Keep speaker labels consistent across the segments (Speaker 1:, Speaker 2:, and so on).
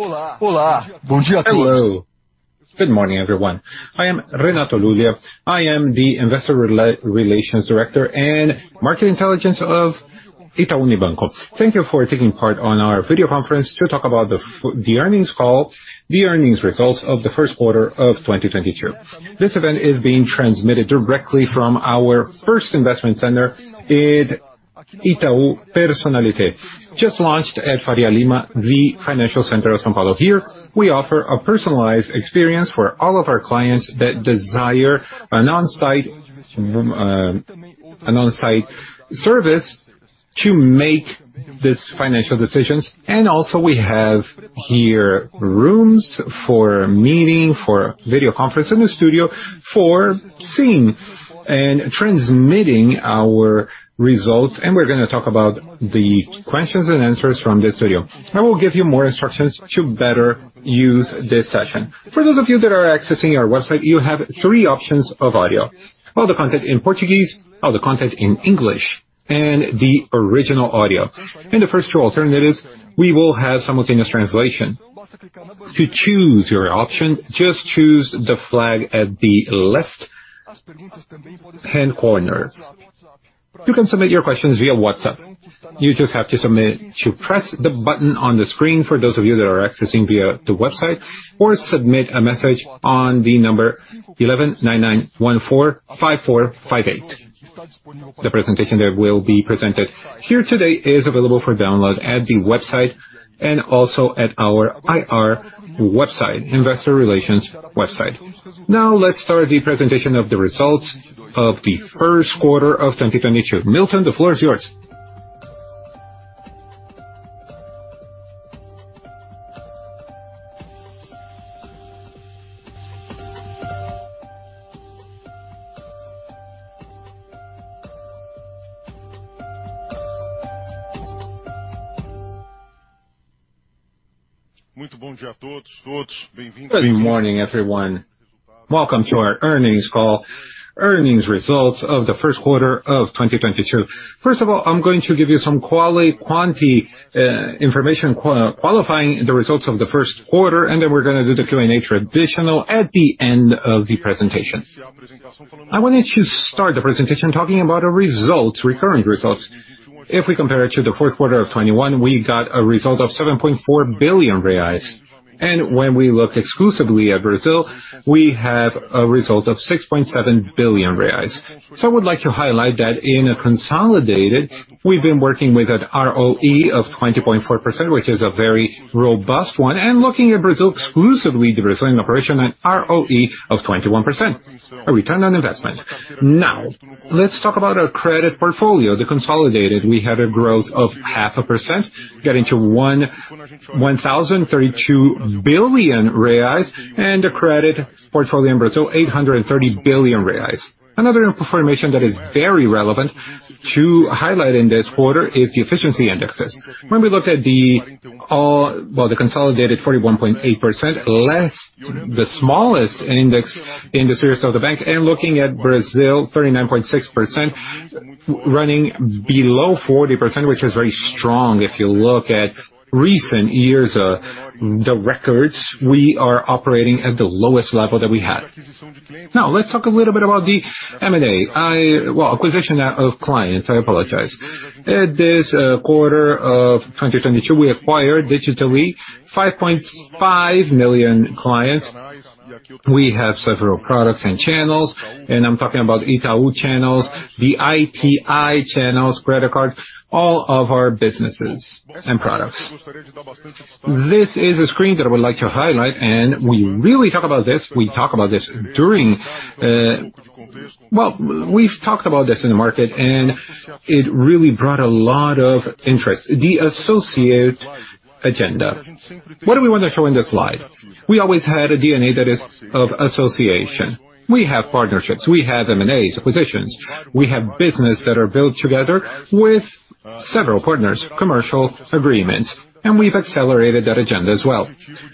Speaker 1: Hello. Good morning, everyone. I am Renato Lulia. I am the Investor Relations Director and Market Intelligence of Itaú Unibanco. Thank you for taking part on our video conference to talk about the earnings call, the earnings results of the first quarter of 2022. This event is being transmitted directly from our first investment center, the Itaú Personnalité. Just launched at Faria Lima, the financial center of São Paulo. Here, we offer a personalized experience for all of our clients that desire an on-site service to make these financial decisions. We have here rooms for meeting, for video conference, and a studio for seeing and transmitting our results. We're gonna talk about the questions and answers from the studio. I will give you more instructions to better use this session. For those of you that are accessing our website, you have three options of audio. All the content in Portuguese, all the content in English, and the original audio. In the first two alternatives, we will have simultaneous translation. To choose your option, just choose the flag at the left-hand corner. You can submit your questions via WhatsApp. You just have to press the button on the screen for those of you that are accessing via the website, or submit a message on the number 11 99914-5458. The presentation that will be presented here today is available for download at the website and also at our IR website, investor relations website. Now, let's start the presentation of the results of the first quarter of 2022. Milton, the floor is yours. Good morning, everyone.
Speaker 2: Welcome to our earnings call, earnings results of the first quarter of 2022. First of all, I'm going to give you some qualitative and quantitative information qualifying the results of the first quarter, and then we're gonna do the traditional Q&A at the end of the presentation. I wanted to start the presentation talking about our results, recurring results. If we compare it to the fourth quarter of 2021, we got a result of 7.4 billion reais. When we look exclusively at Brazil, we have a result of 6.7 billion reais. I would like to highlight that in a consolidated, we've been working with an ROE of 20.4%, which is a very robust one. Looking at Brazil exclusively, the Brazilian operation, an ROE of 21%, a return on investment. Now, let's talk about our credit portfolio. The consolidated, we had a growth of 0.5%, getting to 1,032 billion reais, and a credit portfolio in Brazil, 830 billion reais. Another information that is very relevant to highlight in this quarter is the efficiency indexes. When we look at Well, the consolidated 41.8%, the lowest index in the series of the bank. Looking at Brazil, 39.6%, running below 40%, which is very strong if you look at recent years, the records. We are operating at the lowest level that we had. Now, let's talk a little bit about the M&A. Well, acquisition of clients, I apologize. This quarter of 2022, we acquired digitally 5.5 million clients. We have several products and channels, and I'm talking about Itaú channels, the iti channels, credit cards, all of our businesses and products. This is a screen that I would like to highlight, and we really talk about this. We talk about this during. Well, we've talked about this in the market, and it really brought a lot of interest. The association agenda. What do we want to show in this slide? We always had a DNA that is of association. We have partnerships, we have M&As, acquisitions, we have business that are built together with several partners, commercial agreements, and we've accelerated that agenda as well.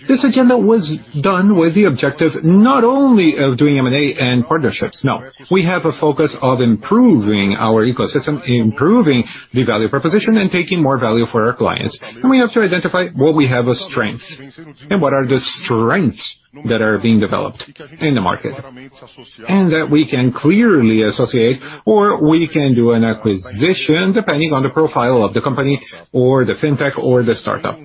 Speaker 2: This agenda was done with the objective not only of doing M&A and partnerships. No. We have a focus of improving our ecosystem, improving the value proposition, and taking more value for our clients. We have to identify where we have a strengths, and what are the strengths that are being developed in the market. That we can clearly associate or we can do an acquisition depending on the profile of the company or the fintech or the startup.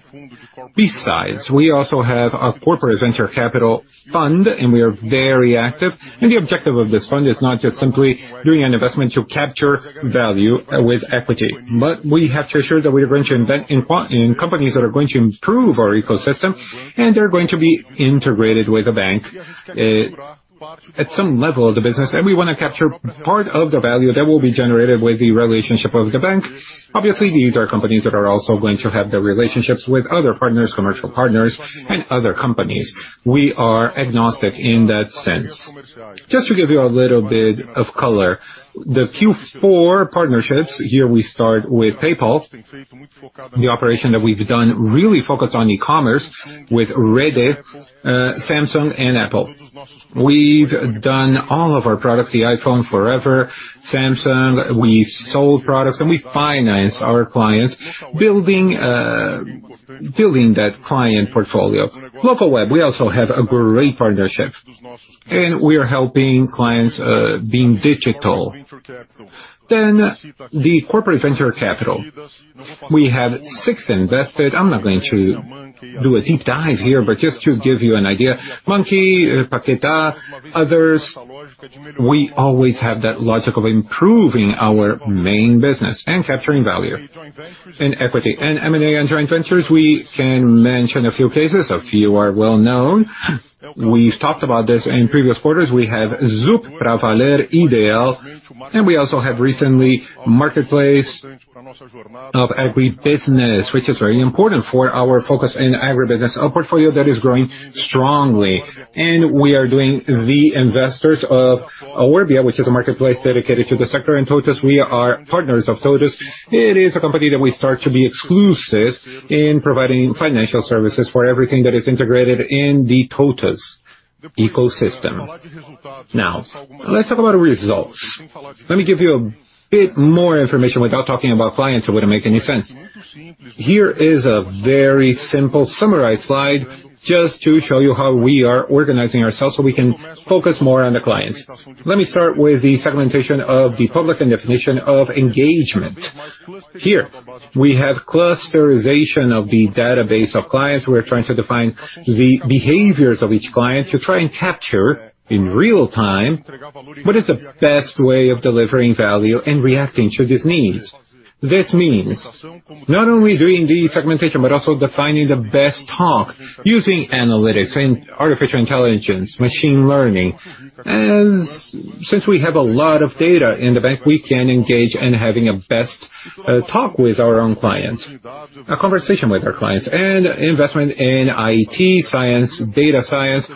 Speaker 2: Besides, we also have a corporate venture capital fund, and we are very active. The objective of this fund is not just simply doing an investment to capture value with equity, but we have to ensure that we're going to invest in companies that are going to improve our ecosystem, and they're going to be integrated with the bank at some level of the business. We wanna capture part of the value that will be generated with the relationship of the bank. Obviously, these are companies that are also going to have the relationships with other partners, commercial partners, and other companies. We are agnostic in that sense. Just to give you a little bit of color, the Q4 partnerships, here we start with PayPal. The operation that we've done really focused on e-commerce with Reddit, Samsung and Apple. We've done all of our products, the iPhone forever. Samsung, we've sold products and we finance our clients, building that client portfolio. Locaweb, we also have a great partnership, and we are helping clients being digital. Then the corporate venture capital. We have 6 invested. I'm not going to do a deep dive here, but just to give you an idea, Monkey Exchange, Paquetá, others, we always have that logic of improving our main business and capturing value in equity. M&A and joint ventures, we can mention a few cases. A few are well-known. We've talked about this in previous quarters. We have Zup, Pravaler, Ideal, and we also have recently Orbia, which is very important for our focus in agribusiness, a portfolio that is growing strongly. We are investors in Orbia, which is a marketplace dedicated to the sector, and TOTVS, we are partners of TOTVS. It is a company that we start to be exclusive in providing financial services for everything that is integrated in the TOTVS ecosystem. Now, let's talk about results. Let me give you a bit more information. Without talking about clients, it wouldn't make any sense. Here is a very simple summarized slide just to show you how we are organizing ourselves so we can focus more on the clients. Let me start with the segmentation of the public and definition of engagement. Here we have clusterization of the database of clients. We're trying to define the behaviors of each client to try and capture in real time what is the best way of delivering value and reacting to these needs. This means not only doing the segmentation, but also defining the best talk using analytics and artificial intelligence, machine learning. Since we have a lot of data in the bank, we can engage in having a best talk with our own clients, a conversation with our clients, and investment in IT science, data science.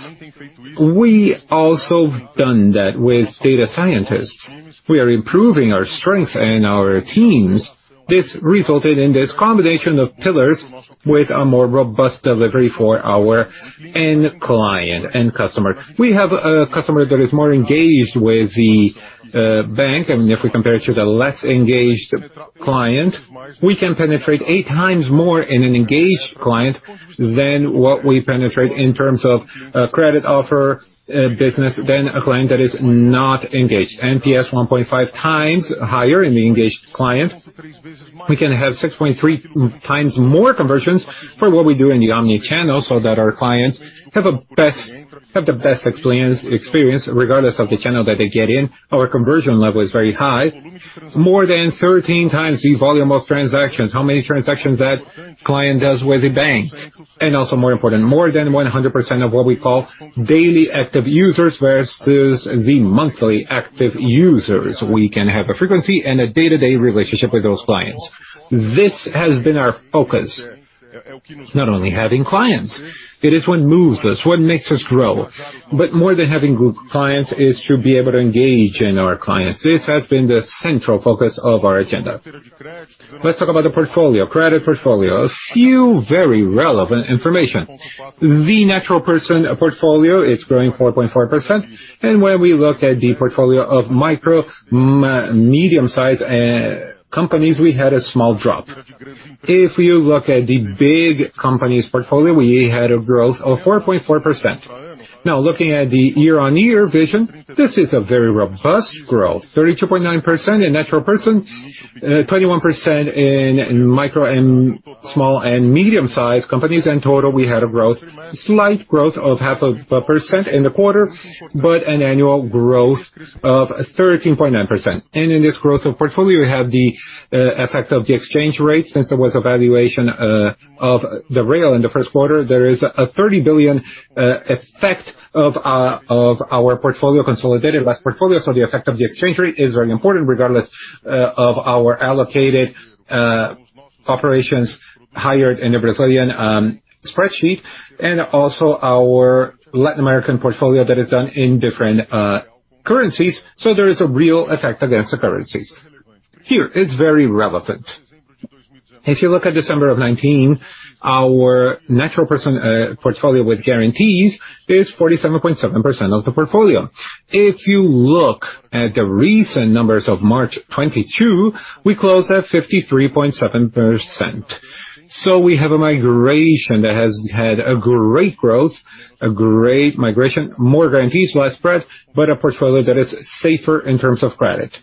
Speaker 2: We also done that with data scientists. We are improving our strength and our teams. This resulted in this combination of pillars with a more robust delivery for our end client, end customer. We have a customer that is more engaged with the bank. I mean, if we compare it to the less engaged client, we can penetrate 8 times more in an engaged client than what we penetrate in terms of credit offer, business than a client that is not engaged. NPS 1.5x higher in the engaged client. We can have 6.3 times more conversions for what we do in the omni channel so that our clients have the best experience regardless of the channel that they get in. Our conversion level is very high, more than 13x the volume of transactions, how many transactions that client does with the bank. Also more important, more than 100% of what we call daily active users versus the monthly active users. We can have a frequency and a day-to-day relationship with those clients. This has been our focus, not only having clients. It is what moves us, what makes us grow. More than having good clients is to be able to engage with our clients. This has been the central focus of our agenda. Let's talk about the portfolio, credit portfolio. A few very relevant information. The natural person portfolio, it's growing 4.4%. When we look at the portfolio of micro, medium-size companies, we had a small drop. If you look at the big companies portfolio, we had a growth of 4.4%. Now, looking at the year-on-year vision, this is a very robust growth, 32.9% in natural person, 21% in micro and small and medium-sized companies. In total, we had a slight growth of 0.5% in the quarter, but an annual growth of 13.9%. In this growth of portfolio, we have the effect of the exchange rate. Since there was a valuation of the real in the first quarter, there is a 30 billion effect of our portfolio consolidated less portfolio. The effect of the exchange rate is very important regardless of our allocated operations in the Brazilian spread, and also our Latin American portfolio that is done in different currencies. There is a real effect against the currencies. Here, it's very relevant. If you look at December 2019, our natural person portfolio with guarantees is 47.7% of the portfolio. If you look at the recent numbers of March 2022, we closed at 53.7%. We have a migration that has had a great growth, a great migration, more guarantees, less spread, but a portfolio that is safer in terms of credit.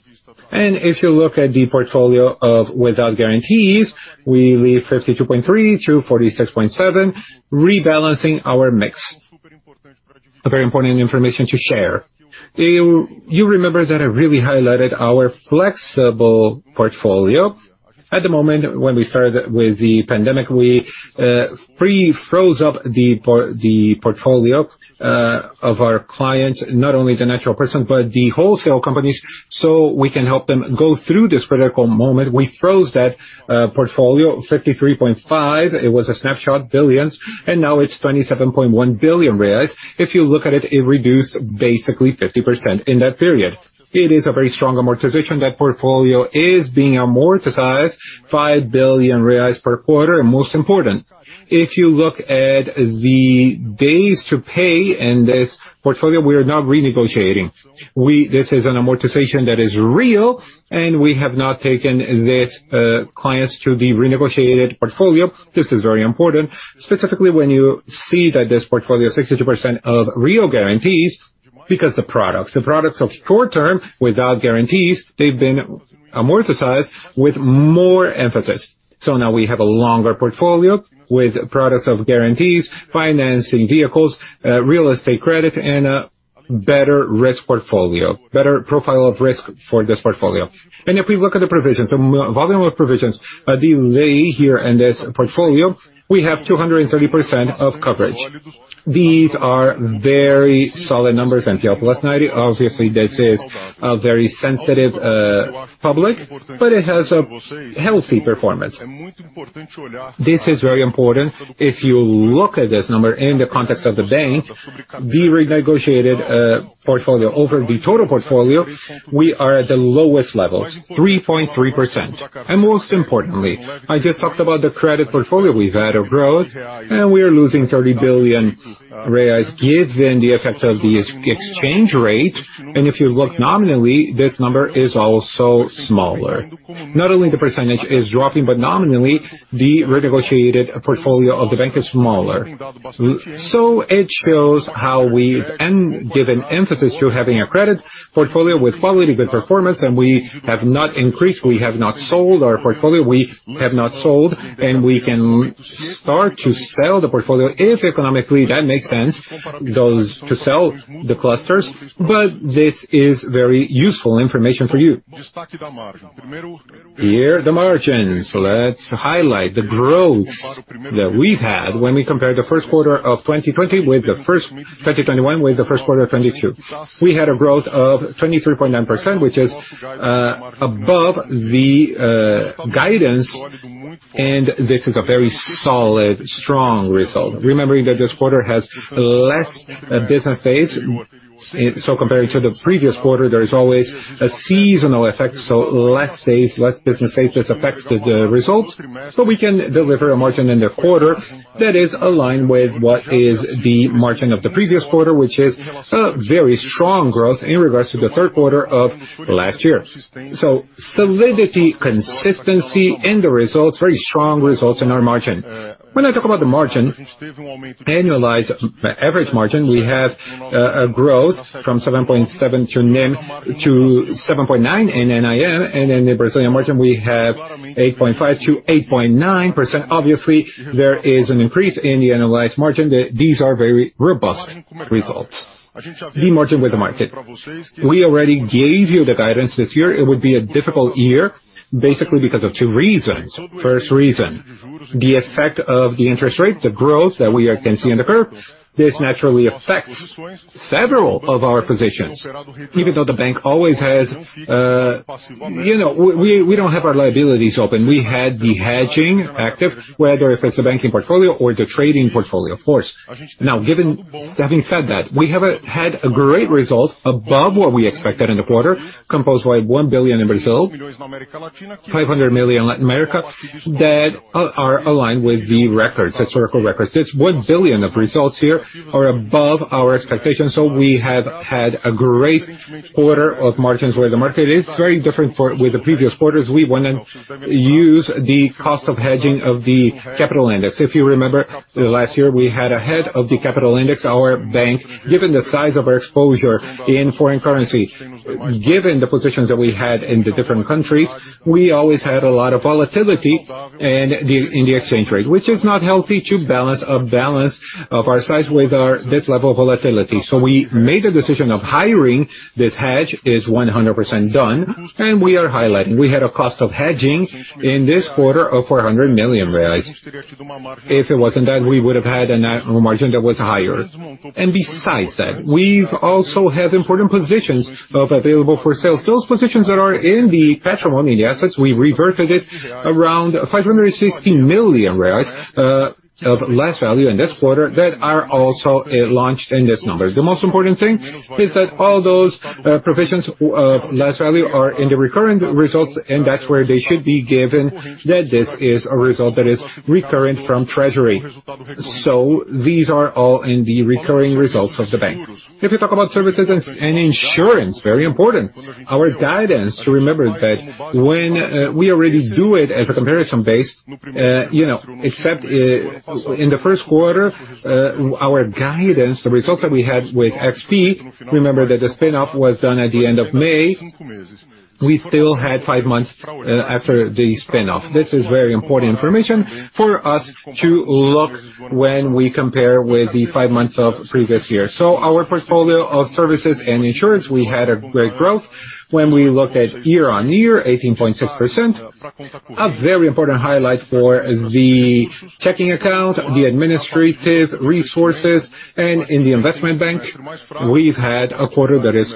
Speaker 2: If you look at the portfolio of without guarantees, we leave 52.3%-46.7%, rebalancing our mix. A very important information to share. You remember that I really highlighted our flexible portfolio. At the moment, when we started with the pandemic, we froze up the portfolio of our clients, not only the natural person, but the wholesale companies, so we can help them go through this critical moment. We froze that portfolio, 53.5 billion. It was a snapshot, billions, and now it's 27.1 billion reais. If you look at it reduced basically 50% in that period. It is a very strong amortization. That portfolio is being amortized 5 billion reais per quarter. Most important, if you look at the days to pay in this portfolio, we are not renegotiating. This is an amortization that is real, and we have not taken these clients to the renegotiated portfolio. This is very important, specifically when you see that this portfolio, 62% of real guarantees, because the products of short term without guarantees, they've been amortized with more emphasis. Now we have a longer portfolio with products of guarantees, financing vehicles, real estate credit, and a better risk portfolio, better profile of risk for this portfolio. If we look at the provisions, volume of provisions, delay here in this portfolio, we have 230% of coverage. These are very solid numbers. People, last night, obviously, this is a very sensitive public, but it has a healthy performance. This is very important. If you look at this number in the context of the bank, the renegotiated portfolio over the total portfolio, we are at the lowest levels, 3.3%. Most importantly, I just talked about the credit portfolio we've had of growth, and we are losing 30 billion reais given the effects of the FX exchange rate. If you look nominally, this number is also smaller. Not only the percentage is dropping, but nominally, the renegotiated portfolio of the bank is smaller. It shows how we've given emphasis to having a credit portfolio with quality, good performance, and we have not increased, we have not sold our portfolio, and we can start to sell the portfolio if economically that makes sense, those to sell the clusters. This is very useful information for you. Here, the margins. Let's highlight the growth that we've had when we compare the first quarter of 2020 with the first quarter of 2021 with the first quarter of 2022. We had a growth of 23.9%, which is above the guidance, and this is a very solid, strong result. Remembering that this quarter has less business days, compared to the previous quarter, there is always a seasonal effect, less days, less business days, this affects the results. We can deliver a margin in the quarter that is aligned with what is the margin of the previous quarter, which is a very strong growth in regards to the third quarter of last year. Solidity, consistency in the results, very strong results in our margin. When I talk about the margin, annualized average margin, we have a growth from 7.7%-7.9% in NIM, and in the Brazilian margin, we have 8.5%-8.9%. Obviously, there is an increase in the annualized margin. These are very robust results. The margin with the market. We already gave you the guidance this year. It would be a difficult year, basically because of two reasons. First reason, the effect of the interest rate, the growth that we can see in the curve, this naturally affects several of our positions. Even though the bank always has, you know, we don't have our liabilities open. We had the hedging active, whether it's a banking portfolio or the trading portfolio, of course. Having said that, we have had a great result above what we expected in the quarter, composed by 1 billion in Brazil, 500 million Latin America, that are aligned with the records, historical records. This 1 billion of results here are above our expectations. We have had a great quarter of margins where the market is very different with the previous quarters. We wanna use the cost of hedging of the capital index. If you remember, last year, we had a hit to the capital index of our bank. Given the size of our exposure in foreign currency, given the positions that we had in the different countries, we always had a lot of volatility in the exchange rate, which is not healthy for the balance sheet of our size with this level of volatility. We made a decision to hedge. It's 100% done, and we are hedged. We had a cost of hedging in this quarter of 400 million reais. If it wasn't that, we would have had a margin that was higher. Besides that, we also have important positions available for sale. Those positions that are in the patrimony, the assets, we reverted it around 560 million reais of less value in this quarter that are also launched in this number. The most important thing is that all those provisions of less value are in the recurring results, and that's where they should be given that this is a result that is recurrent from Treasury. These are all in the recurring results of the bank. If you talk about services and insurance, very important. Our guidance to remember that when we already do it as a comparison base, you know, our guidance, the results that we had with XP, remember that the spin-off was done at the end of May. We still had five months after the spin-off. This is very important information for us to look when we compare with the five months of previous year. Our portfolio of services and insurance, we had a great growth. When we look at year-on-year, 18.6%, a very important highlight for the checking account, the administrative resources, and in the investment bank, we've had a quarter that is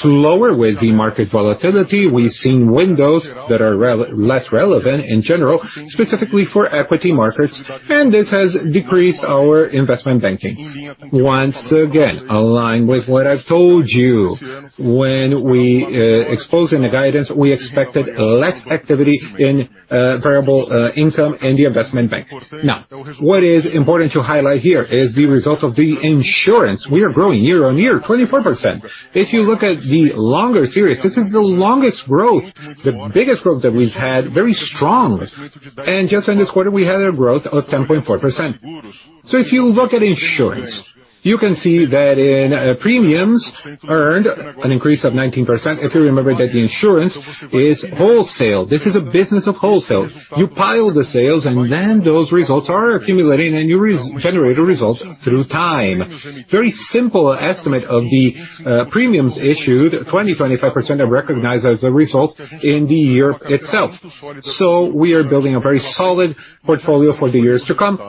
Speaker 2: slower with the market volatility. We've seen windows that are less relevant in general, specifically for equity markets, and this has decreased our investment banking. Once again, aligned with what I've told you when we exposing the guidance, we expected less activity in variable income in the investment bank. Now, what is important to highlight here is the result of the insurance. We are growing year-on-year, 24%. If you look at the longer series, this is the longest growth, the biggest growth that we've had, very strong. Just in this quarter, we had a growth of 10.4%. If you look at insurance, you can see that in premiums earned an increase of 19%. If you remember that the insurance is wholesale, this is a business of wholesale. You pile the sales and then those results are accumulating, and you generate a result through time. Very simple estimate of the premiums issued 20-25% are recognized as a result in the year itself. We are building a very solid portfolio for the years to come,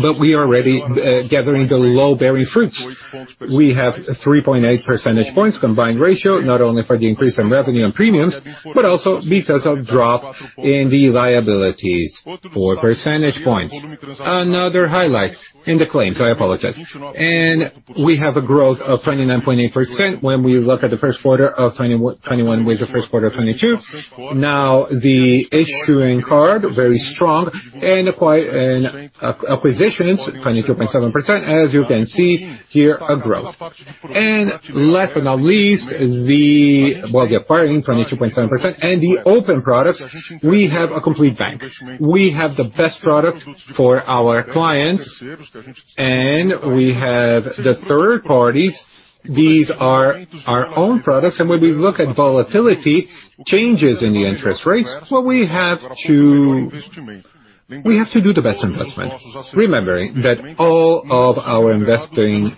Speaker 2: but we are already gathering the low-hanging fruit. We have 3.8 percentage points combined ratio, not only for the increase in revenue and premiums, but also because of drop in the liabilities 4 percentage points. Another highlight in the claims. I apologize. We have a growth of 29.8% when we look at the first quarter of 2021 with the first quarter of 2022. Now, the issuing card, very strong and quite acquisitions, 22.7%. As you can see here, a growth. Last but not least, the partnering, 22.7%, and the open products, we have a complete bank. We have the best product for our clients, and we have the third parties. These are our own products. When we look at volatility, changes in the interest rates, well, we have to do the best investment. Remembering that all of our investing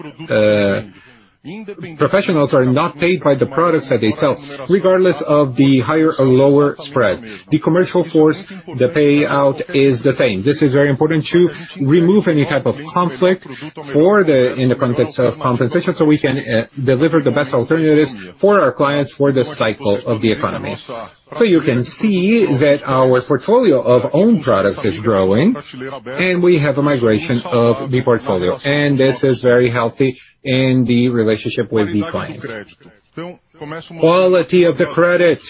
Speaker 2: professionals are not paid by the products that they sell, regardless of the higher or lower spread. The commercial force, the payout is the same. This is very important to remove any type of conflict in the context of compensation, so we can deliver the best alternatives for our clients for this cycle of the economy. You can see that our portfolio of own products is growing, and we have a migration of the portfolio. This is very healthy in the relationship with the clients. Quality of the credit.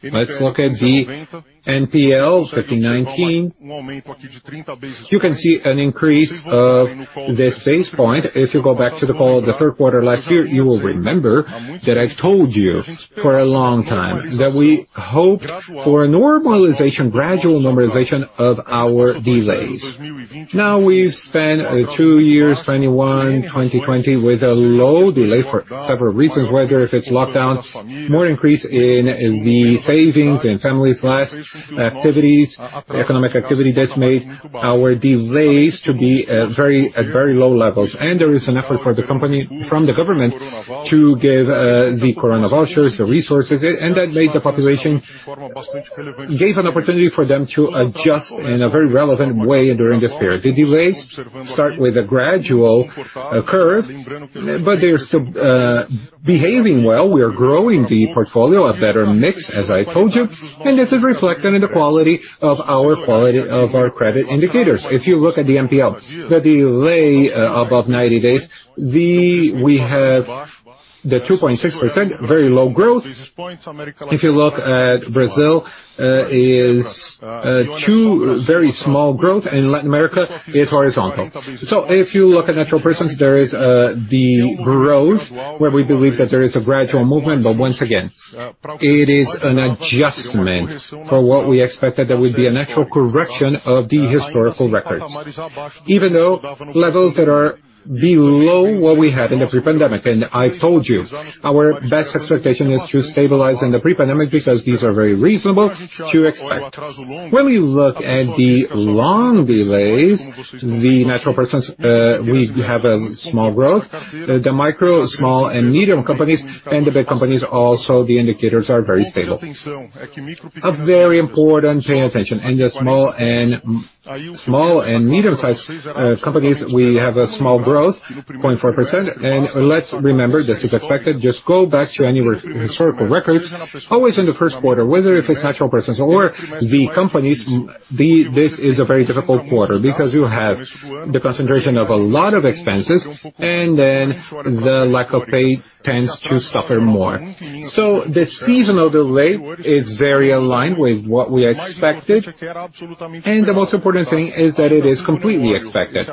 Speaker 2: Let's look at the NPL, 1.5 1.9. You can see an increase of this basis point. If you go back to the call of the third quarter last year, you will remember that I've told you for a long time that we hoped for a normalization, gradual normalization of our delays. Now, we've spent 2 years, 2021, 2020, with a low delay for several reasons, whether it's lockdowns, increase in the savings in families, less economic activity, this made our delays to be at very low levels. There is an effort from the government to give the Corona vouchers, the resources, and that gave an opportunity for them to adjust in a very relevant way during this period. The delays start with a gradual curve, but they're still behaving well. We are growing the portfolio, a better mix, as I told you, and this is reflected in the quality of our credit indicators. If you look at the NPL, the delay above 90 days, we have the 2.6%, very low growth. If you look at Brazil, it is 2% very small growth, and Latin America is horizontal. If you look at natural persons, there is the growth where we believe that there is a gradual movement. Once again, it is an adjustment for what we expected. There will be a natural correction of the historical records. Even though levels that are below what we had in the pre-pandemic, and I told you our best expectation is to stabilize in the pre-pandemic because these are very reasonable to expect. When we look at the loan delays, the natural persons, we have a small growth. The micro, small, and medium companies and the big companies also, the indicators are very stable. A very important, pay attention. In the small and small and medium-sized companies, we have a small growth, 0.4%. Let's remember, this is expected. Just go back to any historical records. Always in the first quarter, whether it's natural persons or the companies, this is a very difficult quarter because you have the concentration of a lot of expenses, and then the lack of pay tends to suffer more. The seasonal delay is very aligned with what we expected, and the most important thing is that it is completely expected.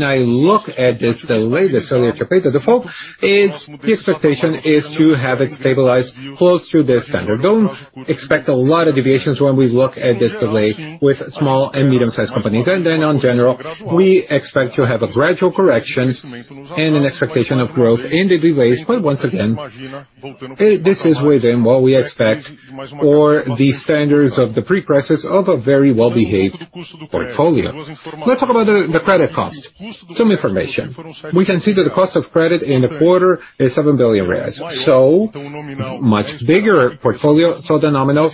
Speaker 2: When I look at this delay, this earlier trajectory to default, it's the expectation is to have it stabilized close to this standard. Don't expect a lot of deviations when we look at this delay with small and medium-sized companies. In general, we expect to have a gradual correction and an expectation of growth in the delays. Once again, this is within what we expect for the standards of the pre-crisis of a very well-behaved portfolio. Let's talk about the credit cost. Some information. We can see that the cost of credit in the quarter is 7 billion reais. So much bigger portfolio, so the nominal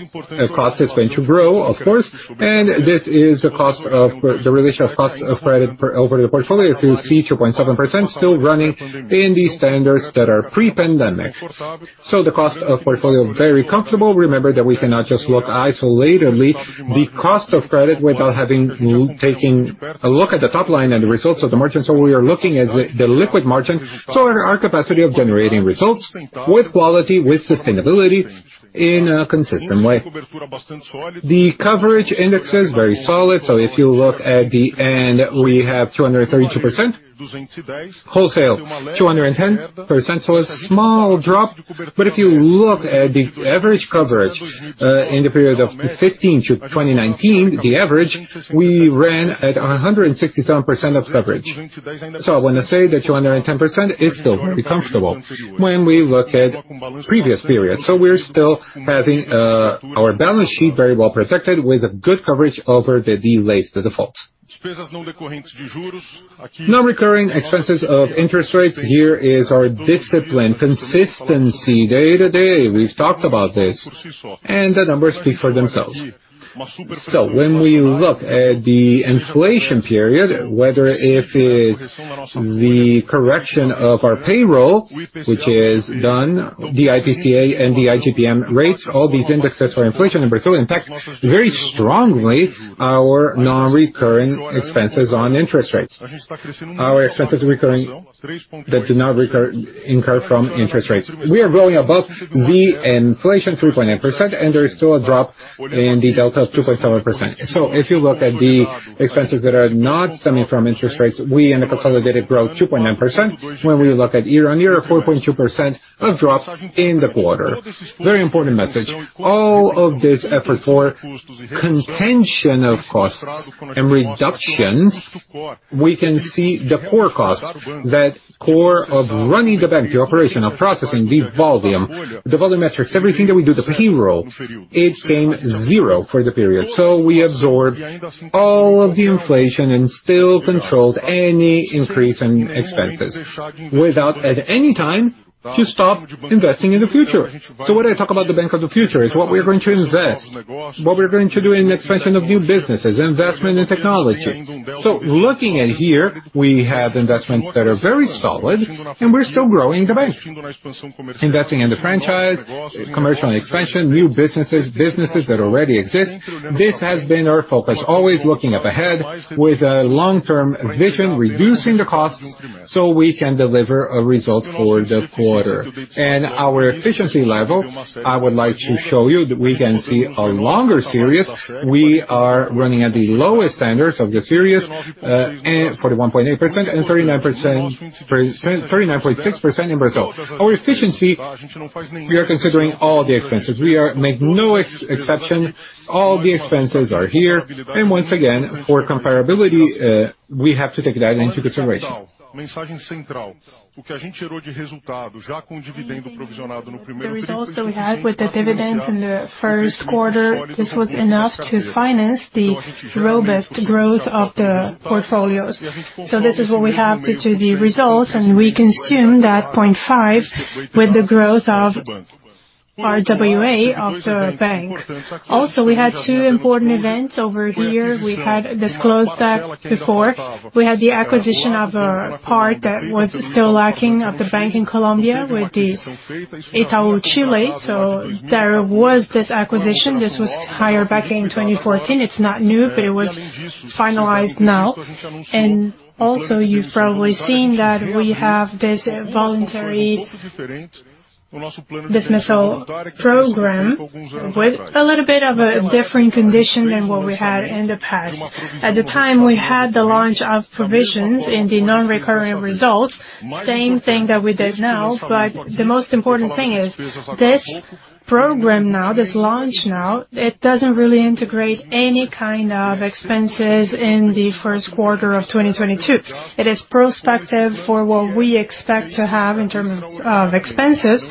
Speaker 2: cost is going to grow, of course. This is the cost of the relation of cost of credit over the portfolio. If you see 2.7% still running in these standards that are pre-pandemic. The cost of portfolio, very comfortable. Remember that we cannot just look isolatedly the cost of credit without taking a look at the top line and the results of the margin. We are looking at the liquid margin. Our capacity of generating results with quality, with sustainability in a consistent way. The coverage index is very solid. If you look at the end, we have 232%. Wholesale, 210%, so a small drop. But if you look at the average coverage in the period of 2015-2019, the average, we ran at 167% of coverage. When I say that 210% is still very comfortable when we look at previous periods. We're still having our balance sheet very well protected with a good coverage over the delays, the defaults. Non-recurring expenses of interest rates. Here is our discipline consistency day to day. We've talked about this, and the numbers speak for themselves. When we look at the inflation period, whether if it's the correction of our payroll, which is done, the IPCA and the IGP-M rates, all these indexes for inflation in Brazil, impact very strongly our non-recurring expenses on interest rates. Our expenses recurring that do not recur incur from interest rates. We are growing above the inflation 3.9%, and there is still a drop in the delta of 2.7%. If you look at the expenses that are not stemming from interest rates, we end up consolidating growth 2.9%. When we look at year-on-year, 4.2% drop in the quarter. Very important message. All of this effort for containment of costs and reductions, we can see the core cost, that core of running the bank, the operation of processing the volume, the volumetrics, everything that we do, the payroll, it came to zero for the period. We absorbed all of the inflation and still controlled any increase in expenses without, at any time, to stop investing in the future. When I talk about the bank of the future, it's what we're going to invest, what we're going to do in expansion of new businesses, investment in technology. Looking here, we have investments that are very solid, and we're still growing the bank. Investing in the franchise, commercial expansion, new businesses that already exist. This has been our focus, always looking up ahead with a long-term vision, reducing the costs so we can deliver a result for the quarter. Our efficiency level, I would like to show you that we can see a longer series. We are running at the lowest standards of the series, and 41.8% and 39%-39.6% in Brazil. Our efficiency, we are considering all the expenses. We are making no exception. All the expenses are here. Once again, for comparability, we have to take that into consideration. The results that we had with the dividends in the first quarter, this was enough to finance the robust growth of the portfolios. This is what we have due to the results, and we consume that 0.5 with the growth of our RWA of the bank. We had two important events over here. We had disclosed that before. We had the acquisition of a part that was still lacking of the bank in Colombia with the Itaú Corpbanca. There was this acquisition. This was acquired back in 2014. It's not new, but it was finalized now. You've probably seen that we have this voluntary dismissal program with a little bit of a different condition than what we had in the past. At the time, we had the release of provisions in the non-recurring results, same thing that we did now. The most important thing is this program now, this launch now, it doesn't really integrate any kind of expenses in the first quarter of 2022. It is prospective for what we expect to have in terms of expenses.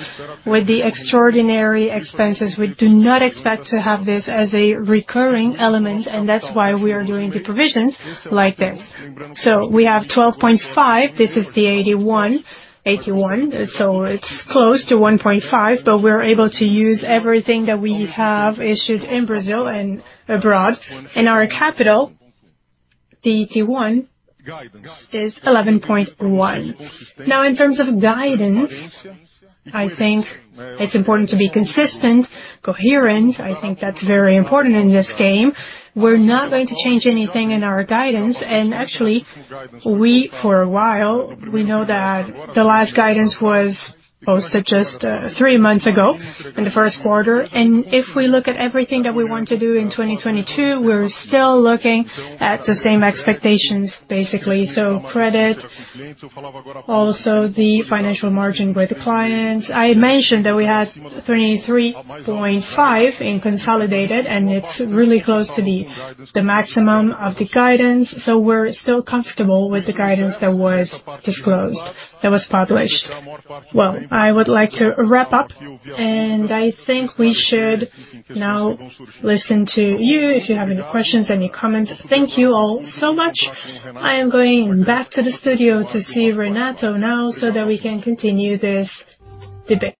Speaker 2: With the extraordinary expenses, we do not expect to have this as a recurring element, and that's why we are doing the provisions like this. We have 12.5. This is the 81. 81, so it's close to 1.5, but we're able to use everything that we have issued in Brazil and abroad. Our capital, the T1, is 11.1. Now, in terms of guidance, I think it's important to be consistent, coherent. I think that's very important in this game. We're not going to change anything in our guidance. Actually, for a while we know that the last guidance was posted just three months ago in the first quarter. If we look at everything that we want to do in 2022, we're still looking at the same expectations, basically. Credit, also the financial margin with the clients. I mentioned that we had 23.5% in consolidated, and it's really close to the maximum of the guidance. We're still comfortable with the guidance that was disclosed, that was published. Well, I would like to wrap up, and I think we should now listen to you if you have any questions, any comments. Thank you all so much. I am going back to the studio to see Renato now so that we can continue this debate.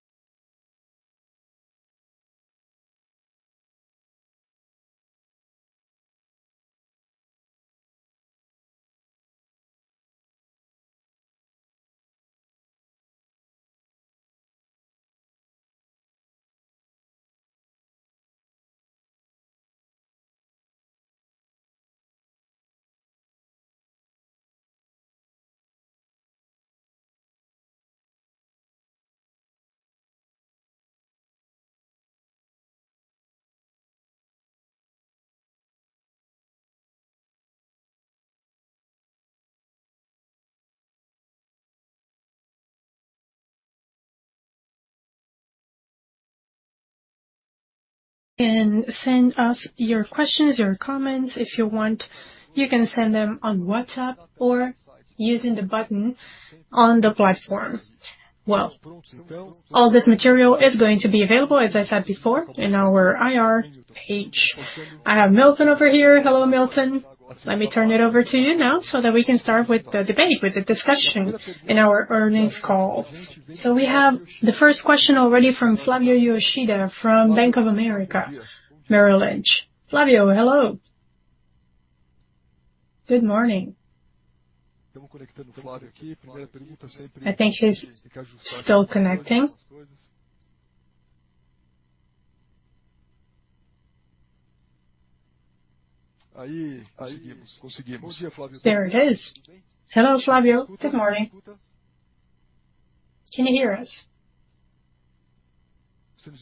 Speaker 2: Send us your questions or comments if you want. You can send them on WhatsApp or using the button on the platform. Well, all this material is going to be available, as I said before, in our IR page. I have Milton over here. Hello, Milton. Let me turn it over to you now so that we can start with the debate, with the discussion in our earnings call. We have the first question already from Flavio Yoshida from Bank of America Merrill Lynch. Flavio, hello. Good morning. I think he's still connecting. There it is. Hello, Flavio. Good morning. Can you hear us? I'm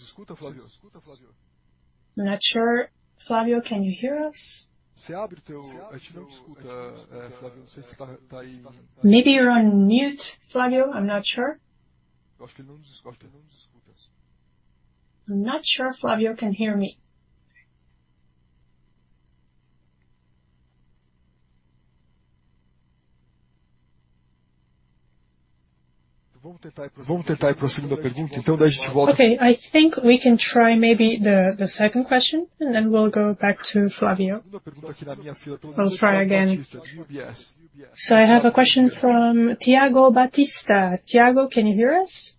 Speaker 2: not sure. Flavio, can you hear us? Maybe you're on mute, Flavio. I'm not sure. I'm not sure Flavio can hear me. Okay. I think we can try maybe the second question, and then we'll go back to Flavio. We'll try again. I have a question from Thiago Batista.
Speaker 1: Tiago, can you hear us?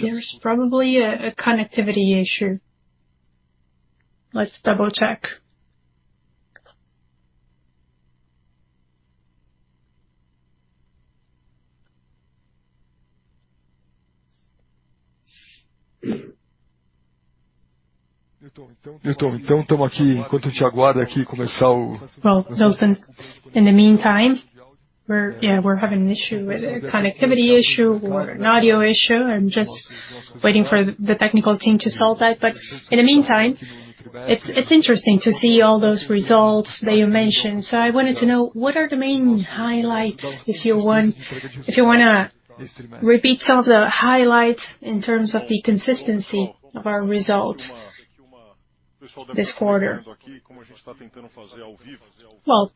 Speaker 1: There's probably a connectivity issue. Let's double-check. Well, Milton, in the meantime, we're having an issue with a connectivity issue or an audio issue. I'm just waiting for the technical team to solve that. In the meantime, it's interesting to see all those results that you mentioned. I wanted to know what are the main highlight, if you wanna repeat some of the highlights in terms of the consistency of our results this quarter. Well,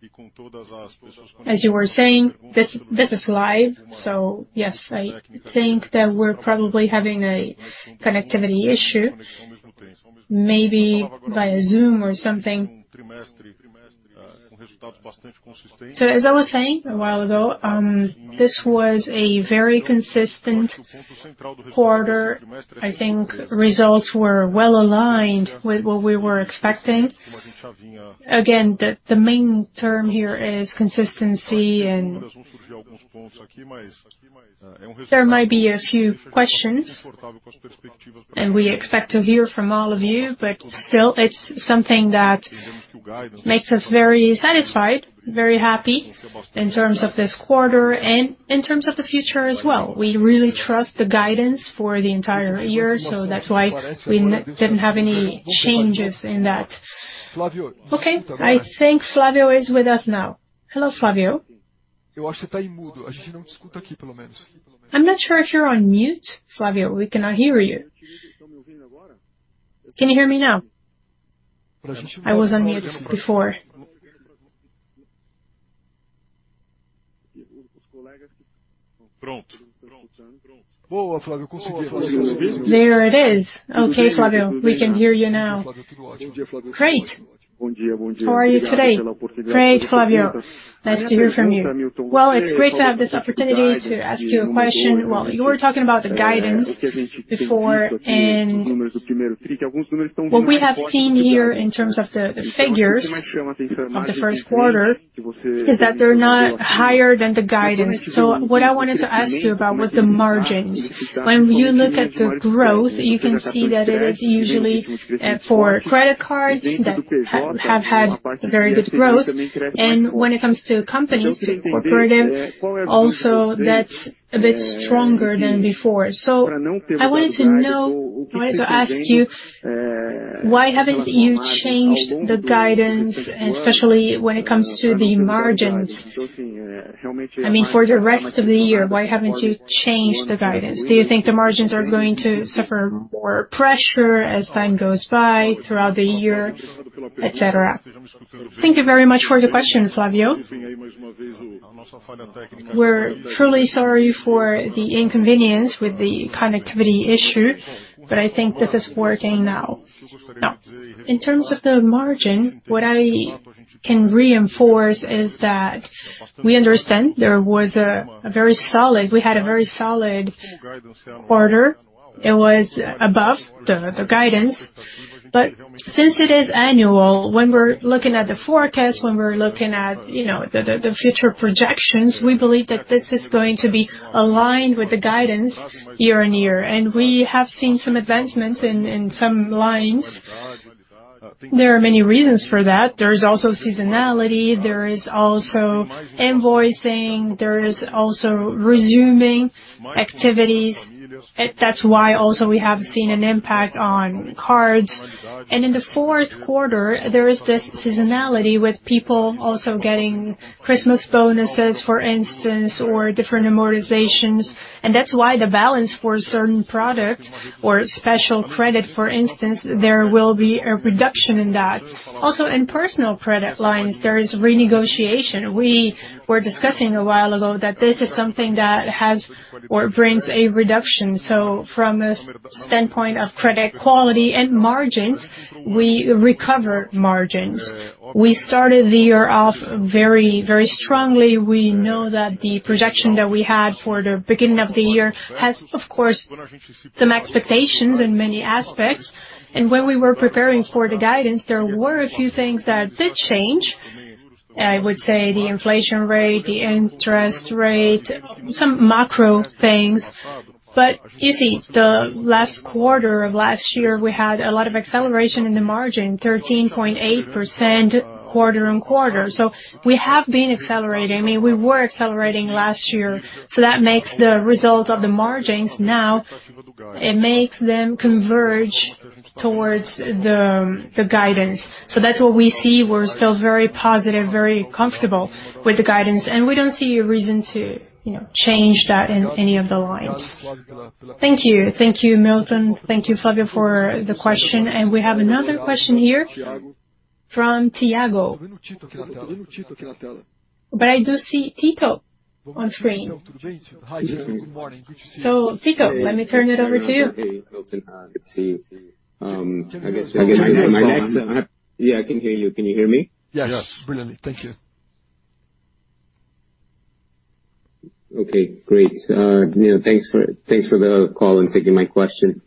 Speaker 1: as you were saying, this is live. Yes, I think that we're probably having a connectivity issue, maybe via Zoom or something. As I was saying a while ago, this was a very consistent quarter. I think results were well aligned with what we were expecting. Again, the main term here is consistency.
Speaker 2: There might be a few questions, and we expect to hear from all of you, but still it's something that makes us very satisfied, very happy in terms of this quarter and in terms of the future as well. We really trust the guidance for the entire year, so that's why we didn't have any changes in that. Okay, I think Flavio is with us now. Hello, Flavio. I'm not sure if you're on mute, Flavio. We cannot hear you. Can you hear me now? I was on mute before. There it is. Okay, Flavio, we can hear you now. Great. How are you today? Great, Flavio. Nice to hear from you. Well, it's great to have this opportunity to ask you a question.
Speaker 3: Well, you were talking about the guidance before, and what we have seen here in terms of the figures of the first quarter is that they're not higher than the guidance. What I wanted to ask you about was the margins. When you look at the growth, you can see that it is usually for credit cards that have had very good growth. When it comes to companies, the corporate end, also that's a bit stronger than before. I wanted to ask you, why haven't you changed the guidance, especially when it comes to the margins? I mean, for the rest of the year, why haven't you changed the guidance? Do you think the margins are going to suffer more pressure as time goes by throughout the year, et cetera? Thank you very much for the question, Flavio.
Speaker 2: We're truly sorry for the inconvenience with the connectivity issue, but I think this is working now. Now, in terms of the margin, what I can reinforce is that we understand there was a very solid quarter. We had a very solid quarter. It was above the guidance. Since it is annual, when we're looking at the forecast, when we're looking at, you know, the future projections, we believe that this is going to be aligned with the guidance year on year. We have seen some advancements in some lines. There are many reasons for that. There is also seasonality, there is also invoicing, there is also resuming activities. That's why also we have seen an impact on cards. In the fourth quarter, there is this seasonality with people also getting Christmas bonuses, for instance, or different amortizations. That's why the balance for certain products or cheque especial, for instance, there will be a reduction in that. Also, in personal credit lines, there is renegotiation. We were discussing a while ago that this is something that has or brings a reduction. From a standpoint of credit quality and margins, we recover margins. We started the year off very, very strongly. We know that the projection that we had for the beginning of the year has, of course, some expectations in many aspects. When we were preparing for the guidance, there were a few things that did change. I would say the inflation rate, the interest rate, some macro things. You see, the last quarter of last year, we had a lot of acceleration in the margin, 13.8% quarter-on-quarter. We have been accelerating. I mean, we were accelerating last year. That makes the result of the margins now, it makes them converge towards the guidance. That's what we see. We're still very positive, very comfortable with the guidance, and we don't see a reason to, you know, change that in any of the lines. Thank you. Thank you, Milton. Thank you, Flavio, for the question. We have another question here from Tiago. I do see Tito on screen.
Speaker 4: Hi, good morning. Good to see you.
Speaker 1: Tito, let me turn it over to you.
Speaker 4: Hey, Milton. Good to see you. Can you hear me now? Yeah, I can hear you. Can you hear me?
Speaker 1: Yes.
Speaker 4: Brilliant. Thank you. Okay, great. You know, thanks for the call and taking my question.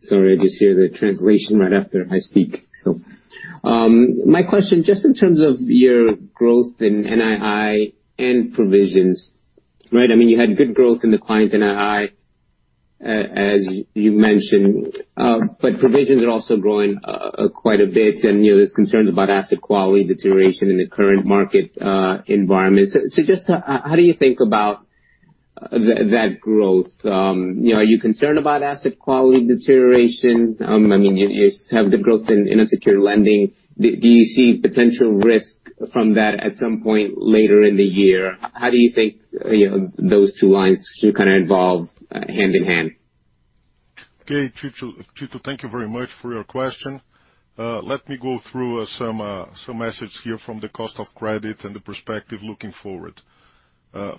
Speaker 4: Sorry, I just hear the translation right after I speak. My question, just in terms of your growth in NII and provisions, right? I mean, you had good growth in the client NII, as you mentioned, but provisions are also growing quite a bit, and you know, there's concerns about asset quality deterioration in the current market environment. Just how do you think about that growth? You know, are you concerned about asset quality deterioration? I mean, you have the growth in unsecured lending. Do you see potential risk from that at some point later in the year? How do you think those two lines kind of evolve hand-in-hand?
Speaker 2: Okay, Tito. Tito, thank you very much for your question. Let me go through some metrics here from the cost of credit and the perspective looking forward.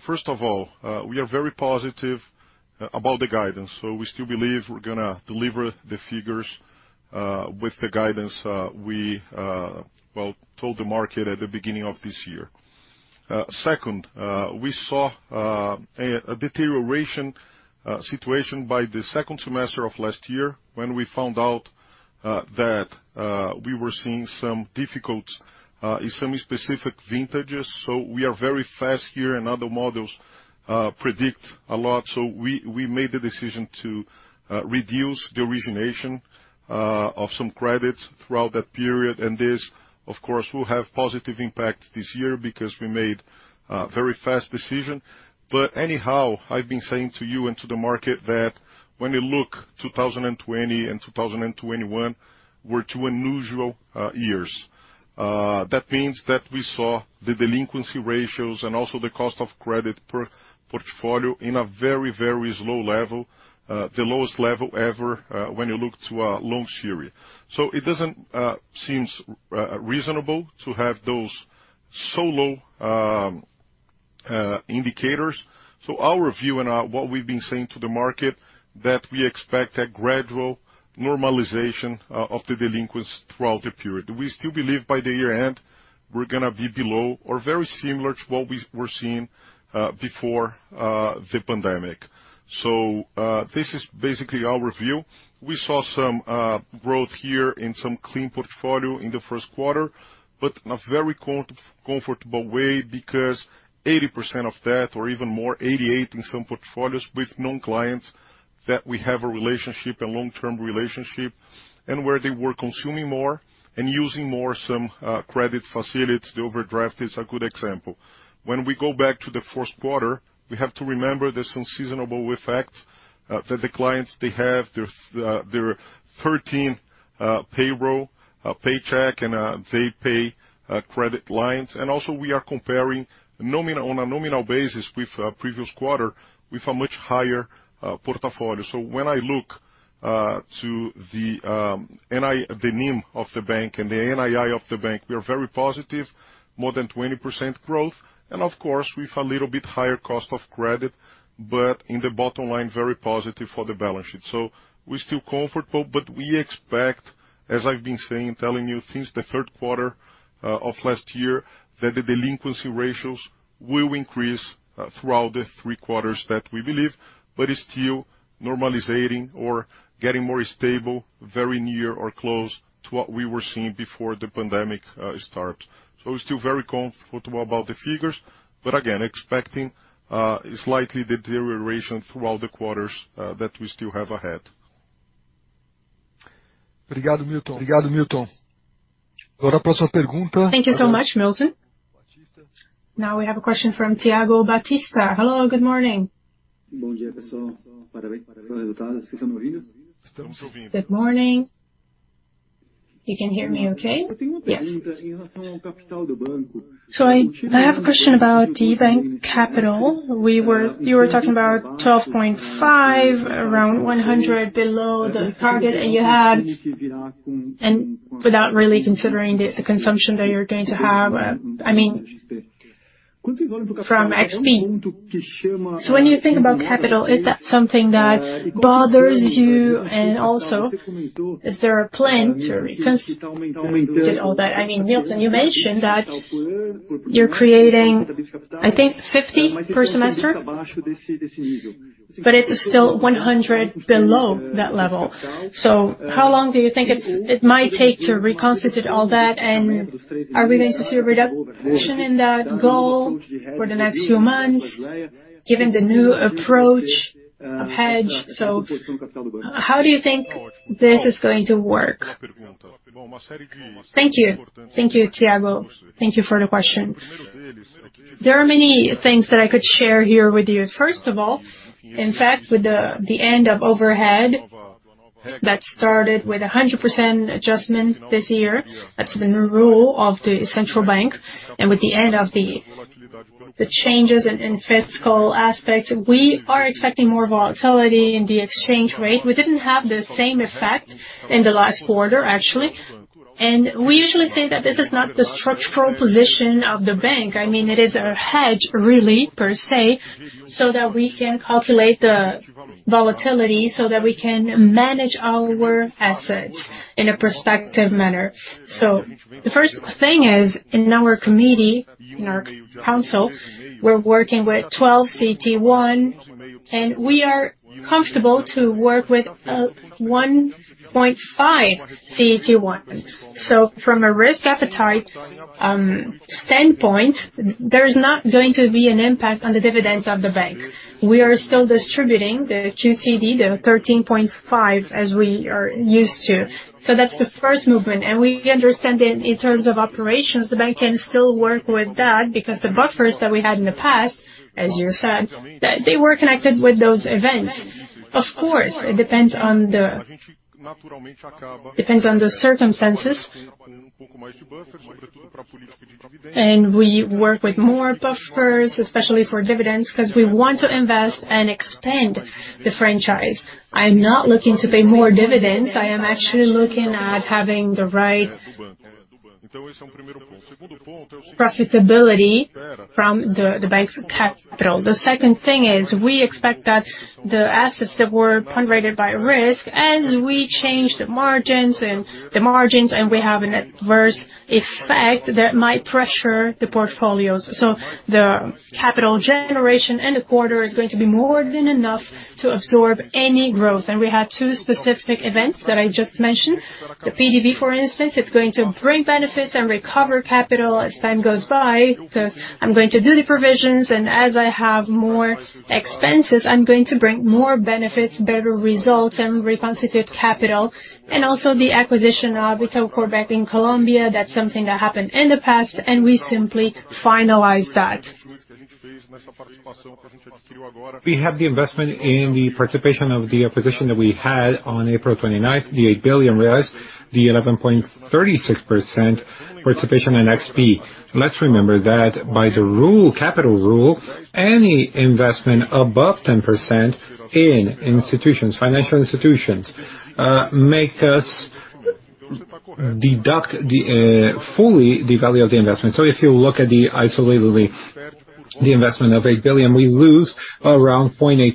Speaker 2: First of all, we are very positive about the guidance. We still believe we're gonna deliver the figures with the guidance we well told the market at the beginning of this year. Second, we saw a deterioration situation in the second semester of last year when we found out that we were seeing some difficulties in some specific vintages. We acted very fast here, and other models predict a lot, so we made the decision to reduce the origination of some credits throughout that period. This, of course, will have positive impact this year because we made a very fast decision. Anyhow, I've been saying to you and to the market that when you look, 2020 and 2021 were two unusual years. That means that we saw the delinquency ratios and also the cost of credit per portfolio in a very, very slow level, the lowest level ever, when you look to a long series. It doesn't seems reasonable to have those so low indicators. Our view and what we've been saying to the market, that we expect a gradual normalization of the delinquencies throughout the period. We still believe by the year-end, we're gonna be below or very similar to what we were seeing before the pandemic. This is basically our view. We saw some growth here in some client portfolio in the first quarter, but in a very comfortable way because 80% of that or even more, 88 in some portfolios with non-clients that we have a relationship, a long-term relationship, and where they were consuming more and using more some credit facilities. The overdraft is a good example. When we go back to the fourth quarter, we have to remember there's some seasonal effect that the clients, they have their 13th payroll paycheck and they pay credit lines. We are also comparing on a nominal basis with previous quarter with a much higher portfolio. When I look to the NIM of the bank and the NII of the bank, we are very positive, more than 20% growth and of course, with a little bit higher cost of credit, but in the bottom line, very positive for the balance sheet. We're still comfortable, but we expect, as I've been saying and telling you since the third quarter of last year, that the delinquency ratios will increase throughout the three quarters that we believe, but it's still normalizing. Getting more stable, very near or close to what we were seeing before the pandemic starts. We're still very comfortable about the figures, but again, expecting slight deterioration throughout the quarters that we still have ahead.
Speaker 1: Thank you so much, Milton. Now we have a question from Thiago Batista. Hello, good morning. Good morning. You can hear me okay? Yes. I have a question about the bank capital. You were talking about 12.5, around 100 below the target that you had and without really considering the consumption that you're going to have, I mean, from XP. When you think about capital, is that something that bothers you? And also, if there are plans to reconstitute all that. I mean, Milton, you mentioned that you're creating, I think, 50 per semester, but it's still 100 below that level. How long do you think it might take to reconstitute all that? And are we going to see a reduction in that goal for the next few months, given the new approach of hedge? How do you think this is going to work? Thank you. Thank you, Tiago. Thank you for the question. There are many things that I could share here with you. First of all, in fact, with the end of the overdraft that started with a 100% adjustment this year, that's the new rule of the Central Bank, and with the end of the changes in fiscal aspects, we are expecting more volatility in the exchange rate. We didn't have the same effect in the last quarter, actually. We usually say that this is not the structural position of the bank. I mean, it is a hedge, really, per se, so that we can calculate the volatility, so that we can manage our assets in a prospective manner. The first thing is, in our committee, in our council, we're working with 12 CET1, and we are comfortable to work with 1.5 CET1. From a risk appetite standpoint, there's not going to be an impact on the dividends of the bank. We are still distributing the JCP, the 13.5 as we are used to. That's the first movement. We understand that in terms of operations, the bank can still work w29th ith that because the buffers that we had in the past, as you said, that they were connected with those events. Of course, it depends on the circumstances. We work with more buffers, especially for dividends, 'cause we want to invest and expand the franchise. I'm not looking to pay more dividends. I am actually looking at having the right profitability from the bank's capital. The second thing is we expect that the assets that were risk-weighted as we change the margins, and we have an adverse effect that might pressure the portfolios. The capital generation in the quarter is going to be more than enough to absorb any growth. We had two specific events that I just mentioned. The PDV, for instance, it's going to bring benefits and recover capital as time goes by, 'cause I'm going to do the provisions and as I have more expenses, I'm going to bring more benefits, better results, and reconstitute capital. Also the acquisition of Itaú CorpBanca Colombia, that's something that happened in the past, and we simply finalized that.
Speaker 2: We have the investment in the participation of the acquisition that we had on April 29th, the 8 billion, the 11.36% participation in XP. Let's remember that by the rule, capital rule, any investment above 10% in institutions, financial institutions, make us deduct fully the value of the investment. If you look at the isolatedly, the investment of 8 billion, we lose around 0.8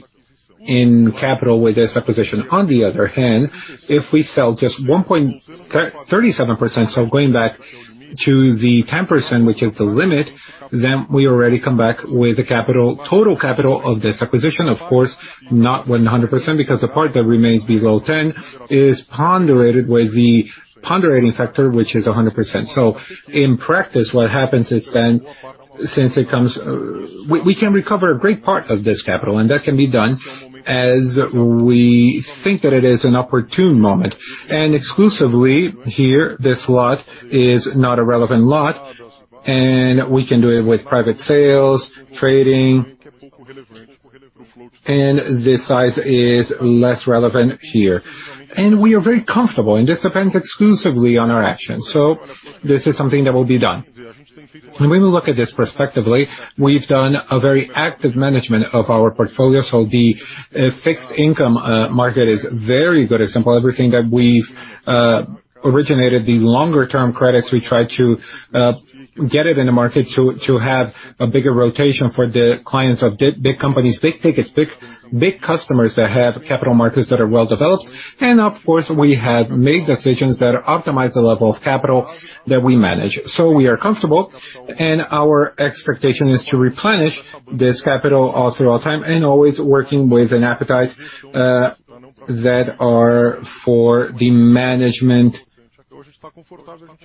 Speaker 2: in capital with this acquisition. On the other hand, if we sell just 1.37%, so going back to the 10%, which is the limit, then we already come back with the capital, total capital of this acquisition. Of course, not 100% because the part that remains below 10 is ponderated with the ponderating factor, which is 100%. In practice, what happens is then, since it comes. We can recover a great part of this capital, and that can be done as we think that it is an opportune moment. Exclusively here, this lot is not a relevant lot, and we can do it with private sales, trading. This size is less relevant here. We are very comfortable, and this depends exclusively on our actions. This is something that will be done. When we look at this prospectively, we've done a very active management of our portfolio. The fixed income market is very good example. Everything that we've originated, the longer-term credits, we try to get it in the market to have a bigger rotation for the clients of big companies, big tickets, big customers that have capital markets that are well developed. Of course, we have made decisions that optimize the level of capital that we manage. We are comfortable, and our expectation is to replenish this capital all through all time and always working with an appetite that are for the management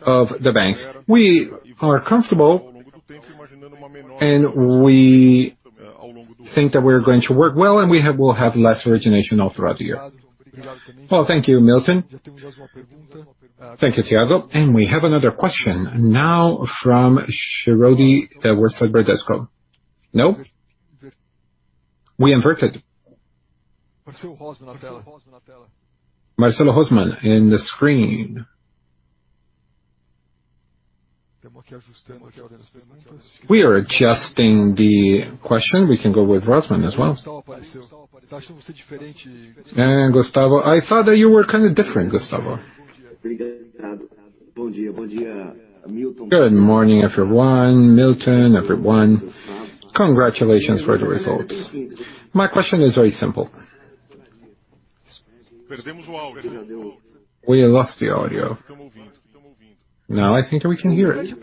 Speaker 2: of the bank. We are comfortable and we think that we're going to work well, and we'll have less origination all throughout the year. Well, thank you, Milton. Thank you, Thiago. We have another question now from Schroden, Wertheim Bradesco. No. We inverted. Marcelo Rosman in the screen. We are adjusting the question. We can go with Rosman as well. Gustavo, I thought that you were kind of different, Gustavo. Good morning, everyone. Milton, everyone. Congratulations for the results. My question is very simple. We lost the audio. Now I think we can hear it.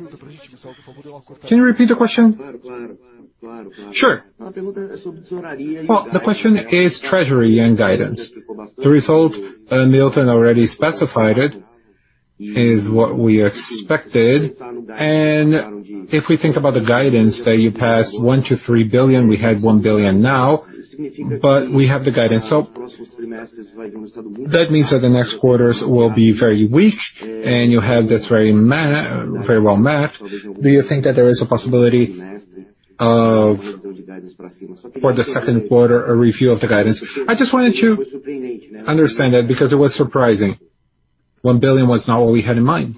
Speaker 2: Can you repeat the question? Sure.
Speaker 5: Well, the question is treasury and guidance. The result, Milton already specified it, is what we expected. If we think about the guidance that you passed 1 billion-3 billion, we had 1 billion now, but we have the guidance. That means that the next quarters will be very weak and you have this very well met. Do you think that there is a possibility, for the second quarter, a review of the guidance? I just wanted to understand that because it was surprising. 1 billion was not what we had in mind.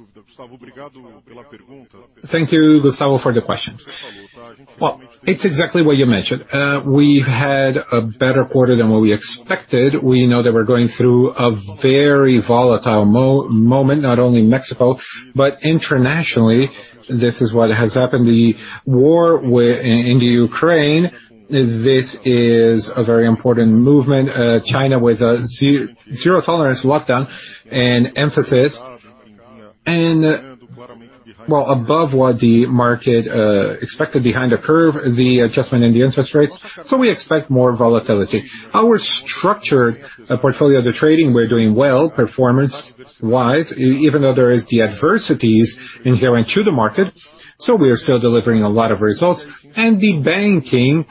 Speaker 5: Thank you, Gustavo, for the question. Well, it's exactly what you mentioned. We had a better quarter than what we expected. We know that we're going through a very volatile moment, not only in Mexico, but internationally. This is what has happened. The war in the Ukraine, this is a very important movement, China with a zero tolerance lockdown and emphasis. Well above what the market expected behind the curve, the adjustment in the interest rates. We expect more volatility. Our structured portfolio of the trading, we're doing well, performance-wise, even though there is the adversities inherent to the market. We are still delivering a lot of results. The banking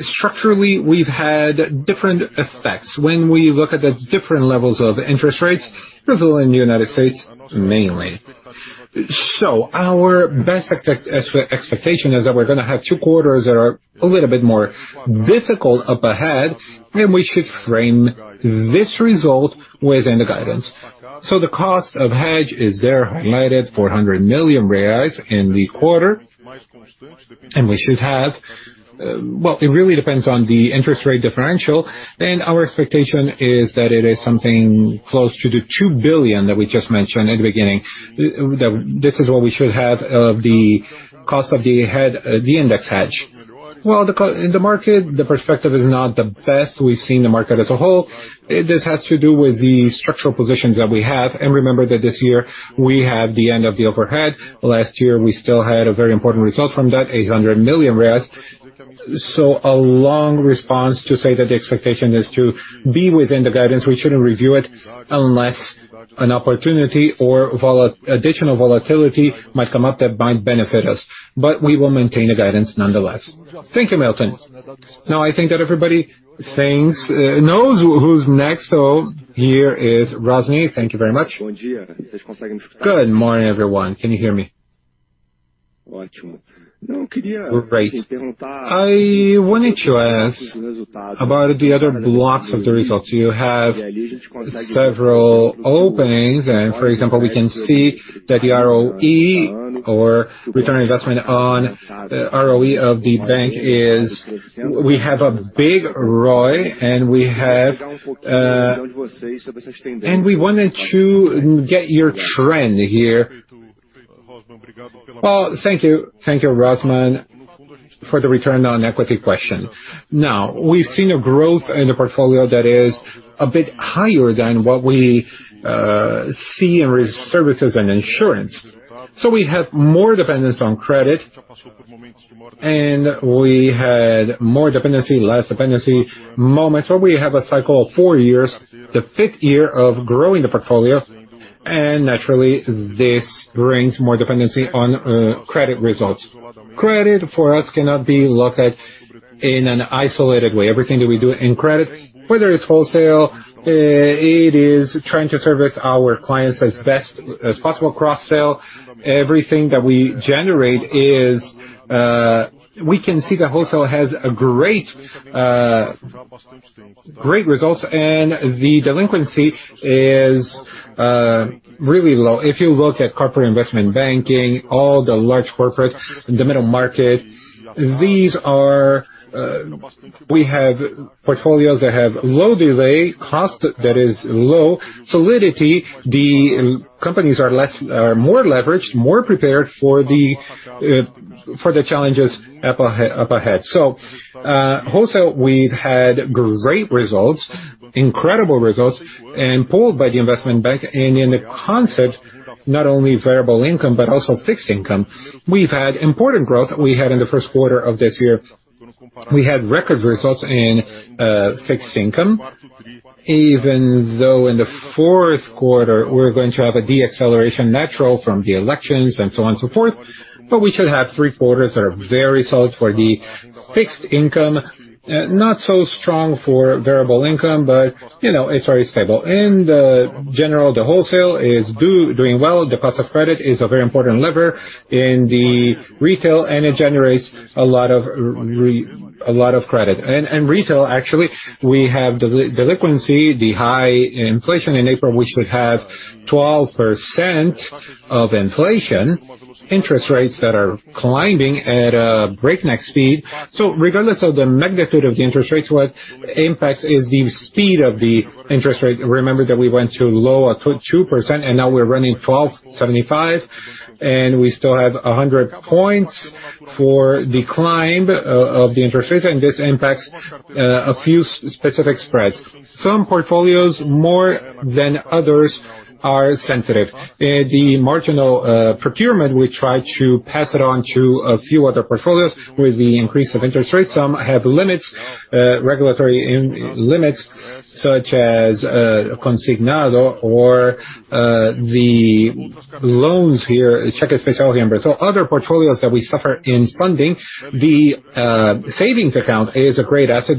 Speaker 5: structurally, we've had different effects. When we look at the different levels of interest rates, Brazil and United States, mainly. Our best expectation is that we're gonna have two quarters that are a little bit more difficult up ahead, and we should frame this result within the guidance. The cost of hedge is there, highlighted 400 million reais in the quarter.
Speaker 2: Well, it really depends on the interest rate differential. Our expectation is that it is something close to the 2 billion that we just mentioned at the beginning. That this is what we should have of the cost of the head, the index hedge. Well, in the market, the perspective is not the best we've seen the market as a whole. This has to do with the structural positions that we have. Remember that this year, we had the end of the overhead. Last year, we still had a very important result from that 800 million reais. A long response to say that the expectation is to be within the guidance. We shouldn't review it unless an opportunity or additional volatility might come up that might benefit us. We will maintain the guidance nonetheless.
Speaker 6: Thank you, Milton. Now, I think that everybody thinks, knows who's next. Here is Rosman. Thank you very much. Good morning, everyone. Can you hear me? Great. I wanted to ask about the other blocks of the results. You have several openings and for example, we can see that the ROE or return on investment on ROE of the bank is we have a big ROI and we have. We wanted to get your trend here. Well, thank you. Thank you, Rosman, for the return on equity question. Now, we've seen a growth in the portfolio that is a bit higher than what we see in retail services and insurance. We have more dependence on credit, and we had more dependency, less dependency moments, where we have a cycle of four years, the fifth year of growing the portfolio.
Speaker 2: Naturally, this brings more dependency on credit results. Credit for us cannot be looked at in an isolated way. Everything that we do in credit, whether it's wholesale, it is trying to service our clients as best as possible. Cross-sell, everything that we generate is, we can see the wholesale has great results, and the delinquency is really low. If you look at corporate investment banking, all the large corporate, the middle market, these are, we have portfolios that have low delay, cost that is low, solidity. The companies are more leveraged, more prepared for the challenges up ahead. Wholesale, we've had great results, incredible results, and pulled by the investment bank. In the concept, not only variable income, but also fixed income. We've had important growth in the first quarter of this year. We had record results in fixed income, even though in the fourth quarter, we're going to have a natural deceleration from the elections and so on and so forth. We should have three quarters that are very solid for the fixed income. Not so strong for variable income, but you know, it's very stable. In general, the wholesale is doing well. The cost of credit is a very important lever in the retail, and it generates a lot of credit. In retail, actually, we have delinquency. The high inflation in April, which we have 12% inflation, interest rates that are climbing at a breakneck speed. Regardless of the magnitude of the interest rates, what impacts is the speed of the interest rate. Remember that we went to low 2%, and now we're running 12.75%, and we still have 100 points for the climb of the interest rates, and this impacts a few specific spreads. Some portfolios, more than others, are sensitive. The marginal funding we try to pass it on to a few other portfolios with the increase of interest rates. Some have limits, regulatory limits, such as consignado or the loans here, cheque especial in Brazil. Other portfolios that we suffer in funding. The savings account is a great asset.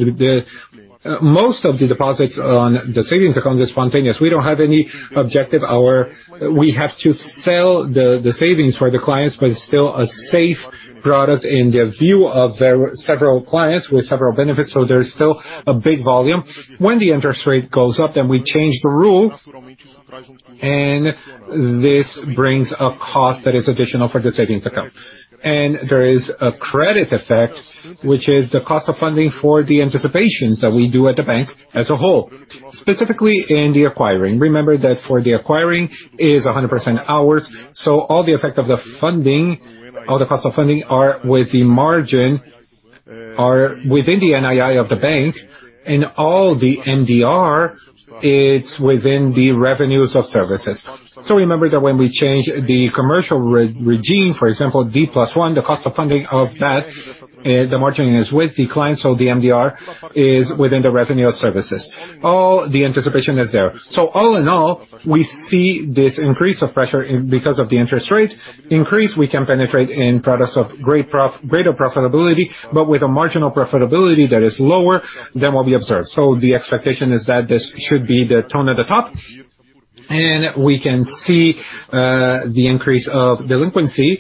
Speaker 2: Most of the deposits on the savings account is spontaneous. We don't have any obligation or we have to sell the savings for the clients, but it's still a safe product in the view of their several clients with several benefits, so there's still a big volume. When the interest rate goes up, we change the rule, and this brings a cost that is additional for the savings account. There is a credit effect, which is the cost of funding for the anticipations that we do at the bank as a whole, specifically in the acquiring. Remember that for the acquiring is 100% ours, so all the effect of the funding, all the cost of funding are with the margin, are within the NII of the bank, and all the MDR, it's within the revenues of services. Remember that when we change the commercial regime, for example, D+1, the cost of funding of that, the margin is with the client, so the MDR is within the revenue of services. All the anticipation is there. All in all, we see this increase of pressure because of the interest rate increase, we can penetrate in products of greater profitability, but with a marginal profitability that is lower than what we observed. The expectation is that this should be the tone at the top. We can see the increase of delinquency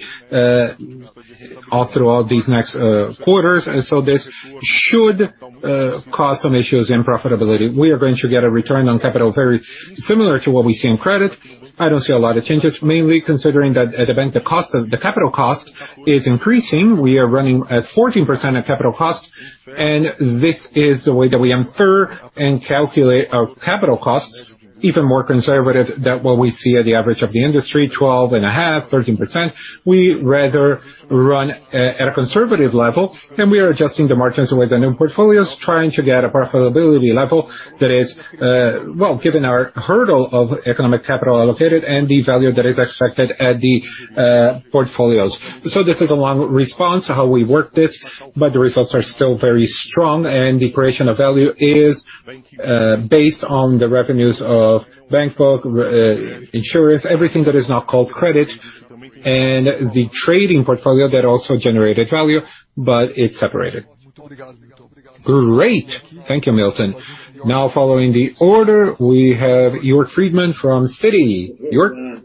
Speaker 2: all throughout these next quarters. This should cause some issues in profitability. We are going to get a return on capital very similar to what we see in credit. I don't see a lot of changes, mainly considering that at the bank, the cost of capital is increasing. We are running at 14% of capital costs, and this is the way that we infer and calculate our capital costs, even more conservative than what we see at the average of the industry, 12.5%, 13%. We rather run at a conservative level, and we are adjusting the margins with the new portfolios, trying to get a profitability level that is, well, given our hurdle of economic capital allocated and the value that is expected at the portfolios. This is a long response to how we work this, but the results are still very strong, and the creation of value is based on the revenues of bank book, insurance, everything that is not called credit, and the trading portfolio that also generated value, but it's separated. Great. Thank you, Milton. Now, following the order, we have Yuri Fernandes from Citi.
Speaker 7: Yuri.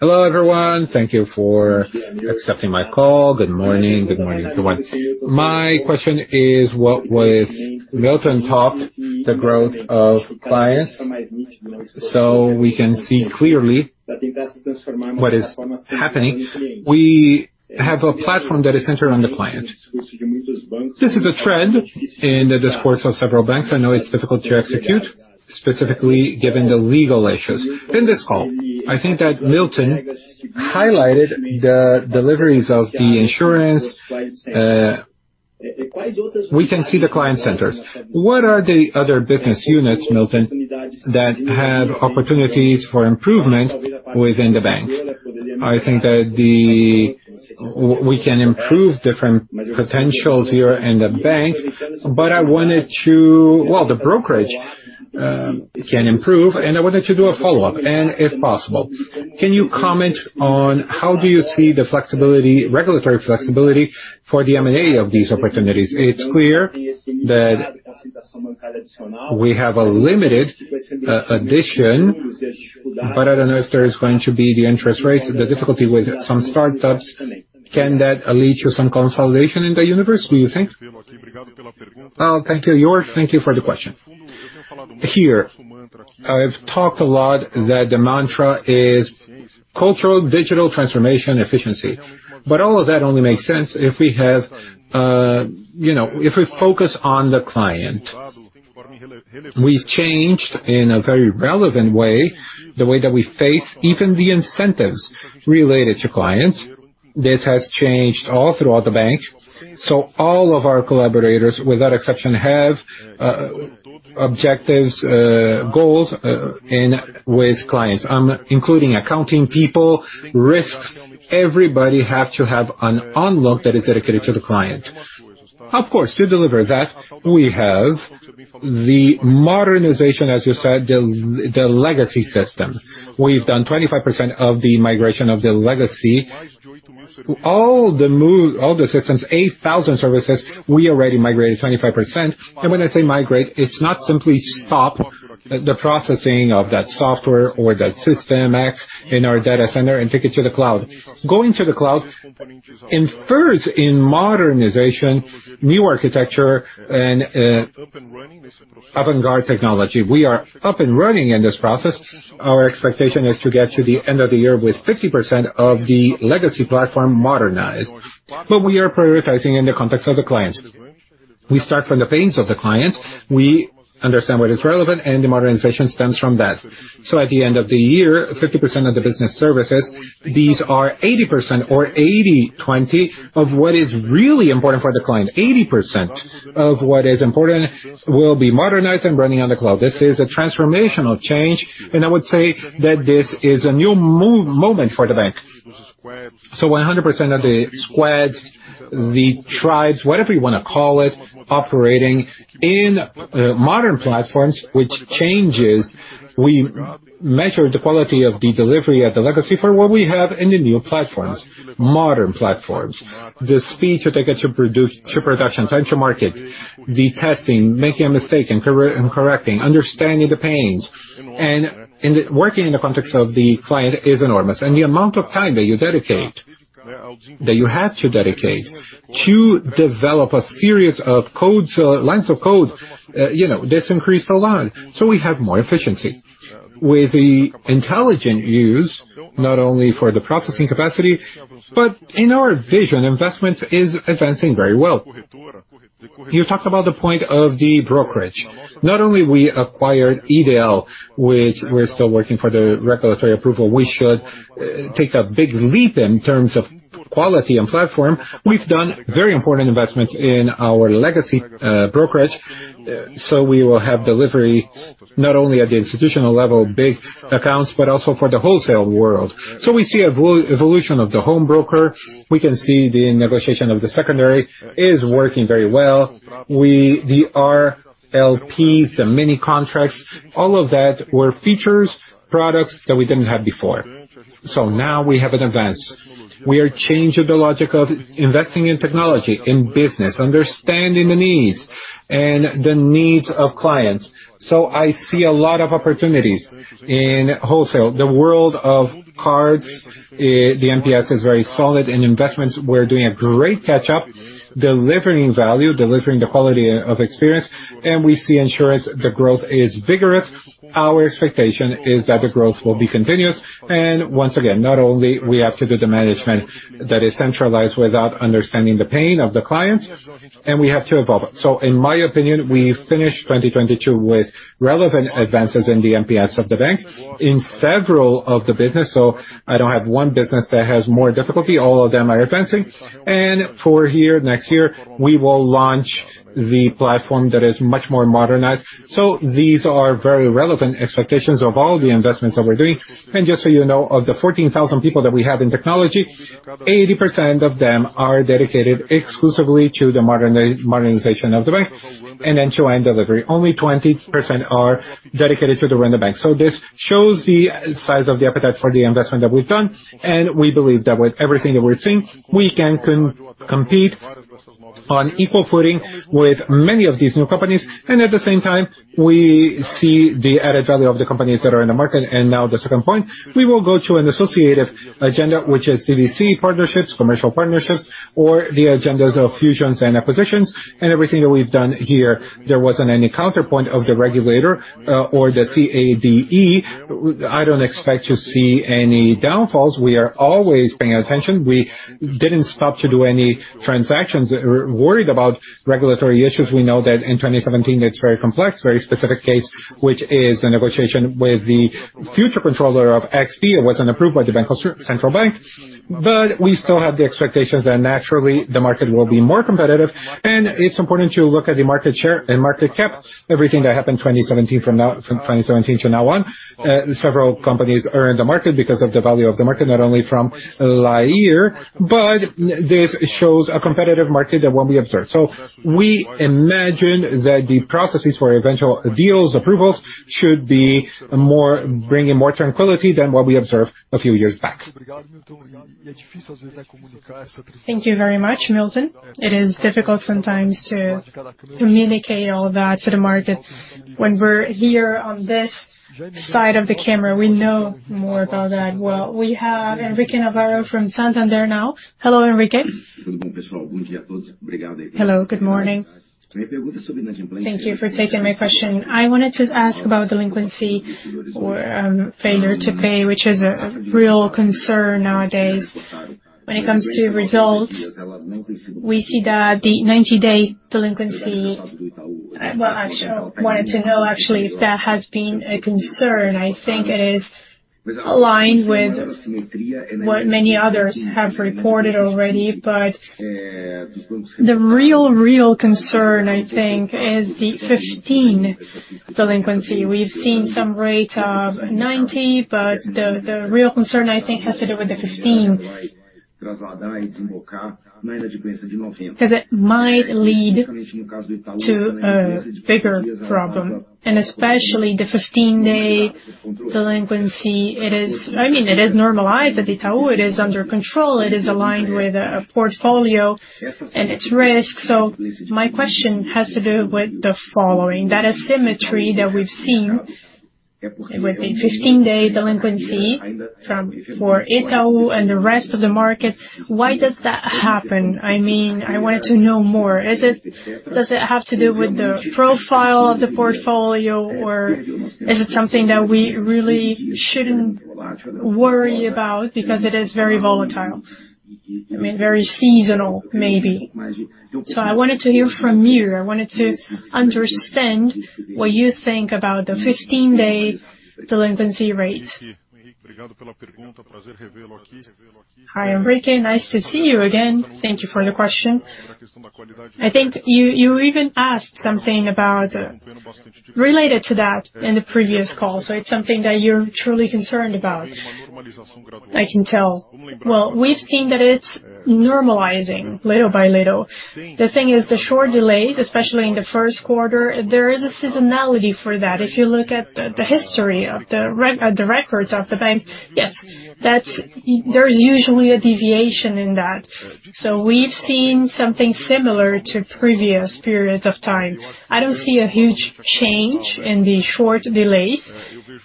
Speaker 7: Hello, everyone. Thank you for accepting my call. Good morning. Good morning, everyone. My question is, what was Milton talked the growth of clients. We can see clearly what is happening. We have a platform that is centered on the client. This is a trend in the discourse of several banks. I know it's difficult to execute, specifically given the legal issues. In this call, I think that Milton highlighted the deliveries of the insurance. We can see the client centers. What are the other business units, Milton, that have opportunities for improvement within the bank? I think that We can improve different potentials here in the bank, but I wanted to Well, the brokerage can improve, and I wanted to do a follow-up. If possible, can you comment on how do you see the flexibility, regulatory flexibility for the M&A of these opportunities?
Speaker 2: It's clear that we have a limited adoption, but I don't know if there is going to be the interest rates, the difficulty with some startups. Can that lead to some consolidation in the universe, do you think? Thank you, Yuri. Thank you for the question. Here, I've talked a lot that the mantra is cultural, digital, transformation, efficiency. But all of that only makes sense if we have, you know, if we focus on the client. We've changed, in a very relevant way, the way that we base even the incentives related to clients. This has changed all throughout the bank. All of our collaborators, without exception, have objectives, goals with clients, including accounting people, risks. Everybody have to have an unlock that is dedicated to the client. Of course, to deliver that we have the modernization, as you said, the legacy system. We've done 25% of the migration of the legacy. All the systems, 8,000 services, we already migrated 25%. When I say migrate, it's not simply stop the processing of that software or that system X in our data center and take it to the cloud. Going to the cloud infers in modernization, new architecture and avant-garde technology. We are up and running in this process. Our expectation is to get to the end of the year with 50% of the legacy platform modernized. We are prioritizing in the context of the client. We start from the pains of the clients, we understand what is relevant, and the modernization stems from that. At the end of the year, 50% of the business services, these are 80% or 80/20 of what is really important for the client. 80% of what is important will be modernized and running on the cloud. This is a transformational change, and I would say that this is a new moment for the bank. 100% of the squads, the tribes, whatever you wanna call it, operating in modern platforms, which changes. We measure the quality of the delivery at the legacy for what we have in the new platforms, modern platforms. The speed to take it to production, time to market, the testing, making a mistake and correcting, understanding the pains, and working in the context of the client is enormous. The amount of time that you dedicate, that you have to dedicate to develop a series of codes, lines of code, you know, this increased a lot, so we have more efficiency. With the intelligent use, not only for the processing capacity, but in our vision, investments is advancing very well. You talked about the point of the brokerage. Not only we acquired Ideal, which we're still working for the regulatory approval, we should take a big leap in terms of quality and platform. We've done very important investments in our legacy, brokerage. We will have delivery not only at the institutional level, big accounts, but also for the wholesale world. We see evolution of the home broker. We can see the negotiation of the secondary is working very well. The RLPs, the mini contracts, all of that were features, products that we didn't have before. Now we have an advance. We are changing the logic of investing in technology, in business, understanding the needs of clients. I see a lot of opportunities in wholesale. The world of cards, the NPS is very solid. In investments, we're doing a great catch-up, delivering value, delivering the quality of experience, and we see insurance, the growth is vigorous. Our expectation is that the growth will be continuous. Once again, not only we have to do the management that is centralized without understanding the pain of the clients, and we have to evolve it. In my opinion, we finished 2022 with relevant advances in the NPS of the bank in several of the business. I don't have one business that has more difficulty, all of them are advancing. From here, next year, we will launch the platform that is much more modernized. These are very relevant expectations of all the investments that we're doing. Just so you know, of the 14,000 people that we have in technology, 80% of them are dedicated exclusively to the modernization of the bank and end-to-end delivery. Only 20% are dedicated to the new bank. This shows the size of the appetite for the investment that we've done, and we believe that with everything that we're seeing, we can compete on equal footing with many of these new companies. At the same time, we see the added value of the companies that are in the market. Now the second point, we will go to an acquisitive agenda, which is CVC partnerships, commercial partnerships, or the agendas of mergers and acquisitions. Everything that we've done here, there wasn't any counterpoint of the regulator, or the CADE. I don't expect to see any downfalls. We are always paying attention. We didn't stop to do any transactions or worried about regulatory issues. We know that in 2017 it's very complex, very specific case, which is the negotiation with the future controller of XP. It wasn't approved by the Central Bank of Brazil. We still have the expectations that naturally the market will be more competitive. It's important to look at the market share and market cap. Everything that happened from 2017 to now on, several companies are in the market because of the value of the market, not only from there, but this shows a competitive market than what we observed. We imagine that the processes for eventual deals, approvals should be more bringing more tranquility than what we observed a few years back.
Speaker 1: Thank you very much, Milton. It is difficult sometimes to communicate all that to the market. When we're here on this side of the camera, we know more about that well. We have Henrique Navarro from Santander now. Hello, Enrique.
Speaker 8: Hello, good morning. Thank you for taking my question. I wanted to ask about delinquency or failure to pay, which is a real concern nowadays. When it comes to results, we see that the 90-day delinquency. Wanted to know actually if that has been a concern. I think it is aligned with what many others have reported already. The real concern, I think, is the 15 delinquency. We've seen some rates of 90, but the real concern, I think, has to do with the 15.
Speaker 9: Because it might lead to a bigger problem, and especially the fifteen-day delinquency. It is I mean, it is normalized at Itaú. It is under control. It is aligned with a portfolio and its risks. My question has to do with the following: That asymmetry that we've seen with the fifteen-day delinquency for Itaú and the rest of the market, why does that happen? I mean, I wanted to know more. Does it have to do with the profile of the portfolio, or is it something that we really shouldn't worry about because it is very volatile? I mean, very seasonal, maybe. I wanted to hear from you. I wanted to understand what you think about the fifteen-day delinquency rate. Hi, Henrique. Nice to see you again. Thank you for the question. I think you even asked something about.
Speaker 2: Related to that in the previous call, it's something that you're truly concerned about, I can tell. Well, we've seen that it's normalizing little by little. The thing is the short delays, especially in the first quarter. There is a seasonality for that. If you look at the history of the records of the bank, yes, that's. There's usually a deviation in that. We've seen something similar to previous periods of time. I don't see a huge change in the short delays.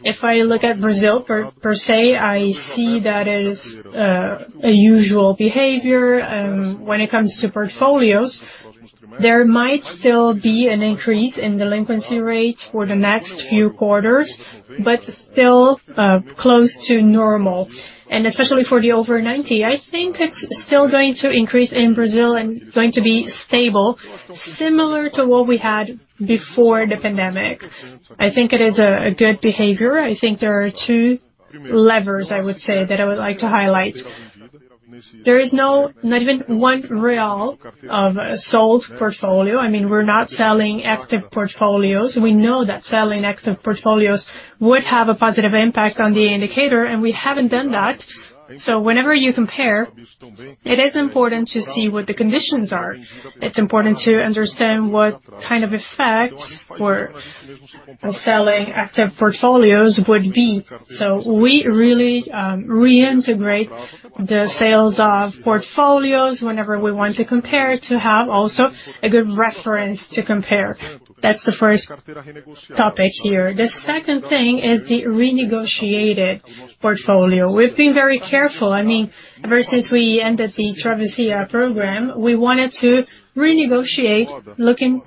Speaker 2: If I look at Brazil per se, I see that as a usual behavior. When it comes to portfolios, there might still be an increase in delinquency rates for the next few quarters, but still close to normal. Especially for the over 90, I think it's still going to increase in Brazil and going to be stable, similar to what we had before the pandemic. I think it is a good behavior. I think there are two levers, I would say, that I would like to highlight. There is no, not even 1 real of sold portfolio. I mean, we're not selling active portfolios. We know that selling active portfolios would have a positive impact on the indicator, and we haven't done that. Whenever you compare, it is important to see what the conditions are. It's important to understand what kind of effects or selling active portfolios would be. We really reintegrate the sales of portfolios whenever we want to compare to have also a good reference to compare. That's the first topic here. The second thing is the renegotiated portfolio. We've been very careful. I mean, ever since we ended the Travessia program, we wanted to renegotiate looking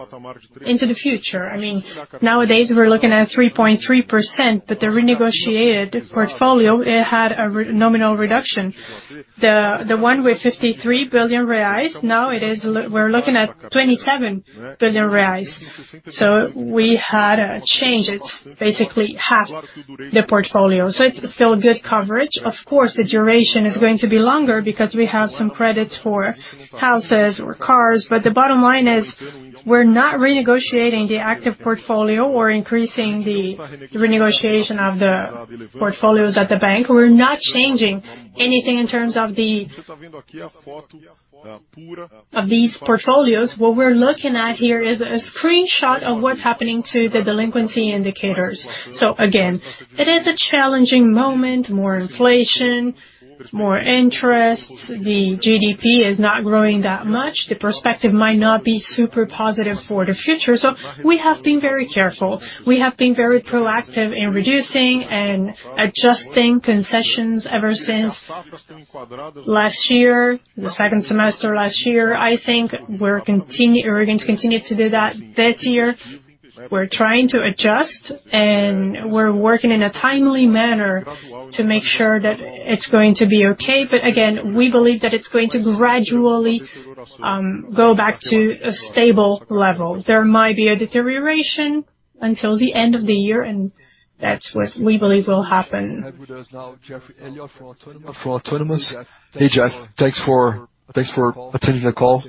Speaker 2: into the future. I mean, nowadays, we're looking at 3.3%, but the renegotiated portfolio, it had a nominal reduction. The one with 53 billion reais, now we're looking at 27 billion reais. We had a change. It's basically half the portfolio. It's still good coverage. Of course, the duration is going to be longer because we have some credits for houses or cars. But the bottom line is, we're not renegotiating the active portfolio or increasing the renegotiation of the portfolios at the bank. We're not changing anything in terms of these portfolios. What we're looking at here is a screenshot of what's happening to the delinquency indicators. Again, it is a challenging moment, more inflation, more interest. The GDP is not growing that much. The perspective might not be super positive for the future. We have been very careful. We have been very proactive in reducing and adjusting concessions ever since last year, the second semester last year. I think we're going to continue to do that this year. We're trying to adjust, and we're working in a timely manner to make sure that it's going to be okay. Again, we believe that it's going to gradually go back to a stable level. There might be a deterioration until the end of the year, and that's what we believe will happen.
Speaker 1: We have with us now Geoffrey Elliott from Autonomous. Hey, Jeff. Thanks for attending the call.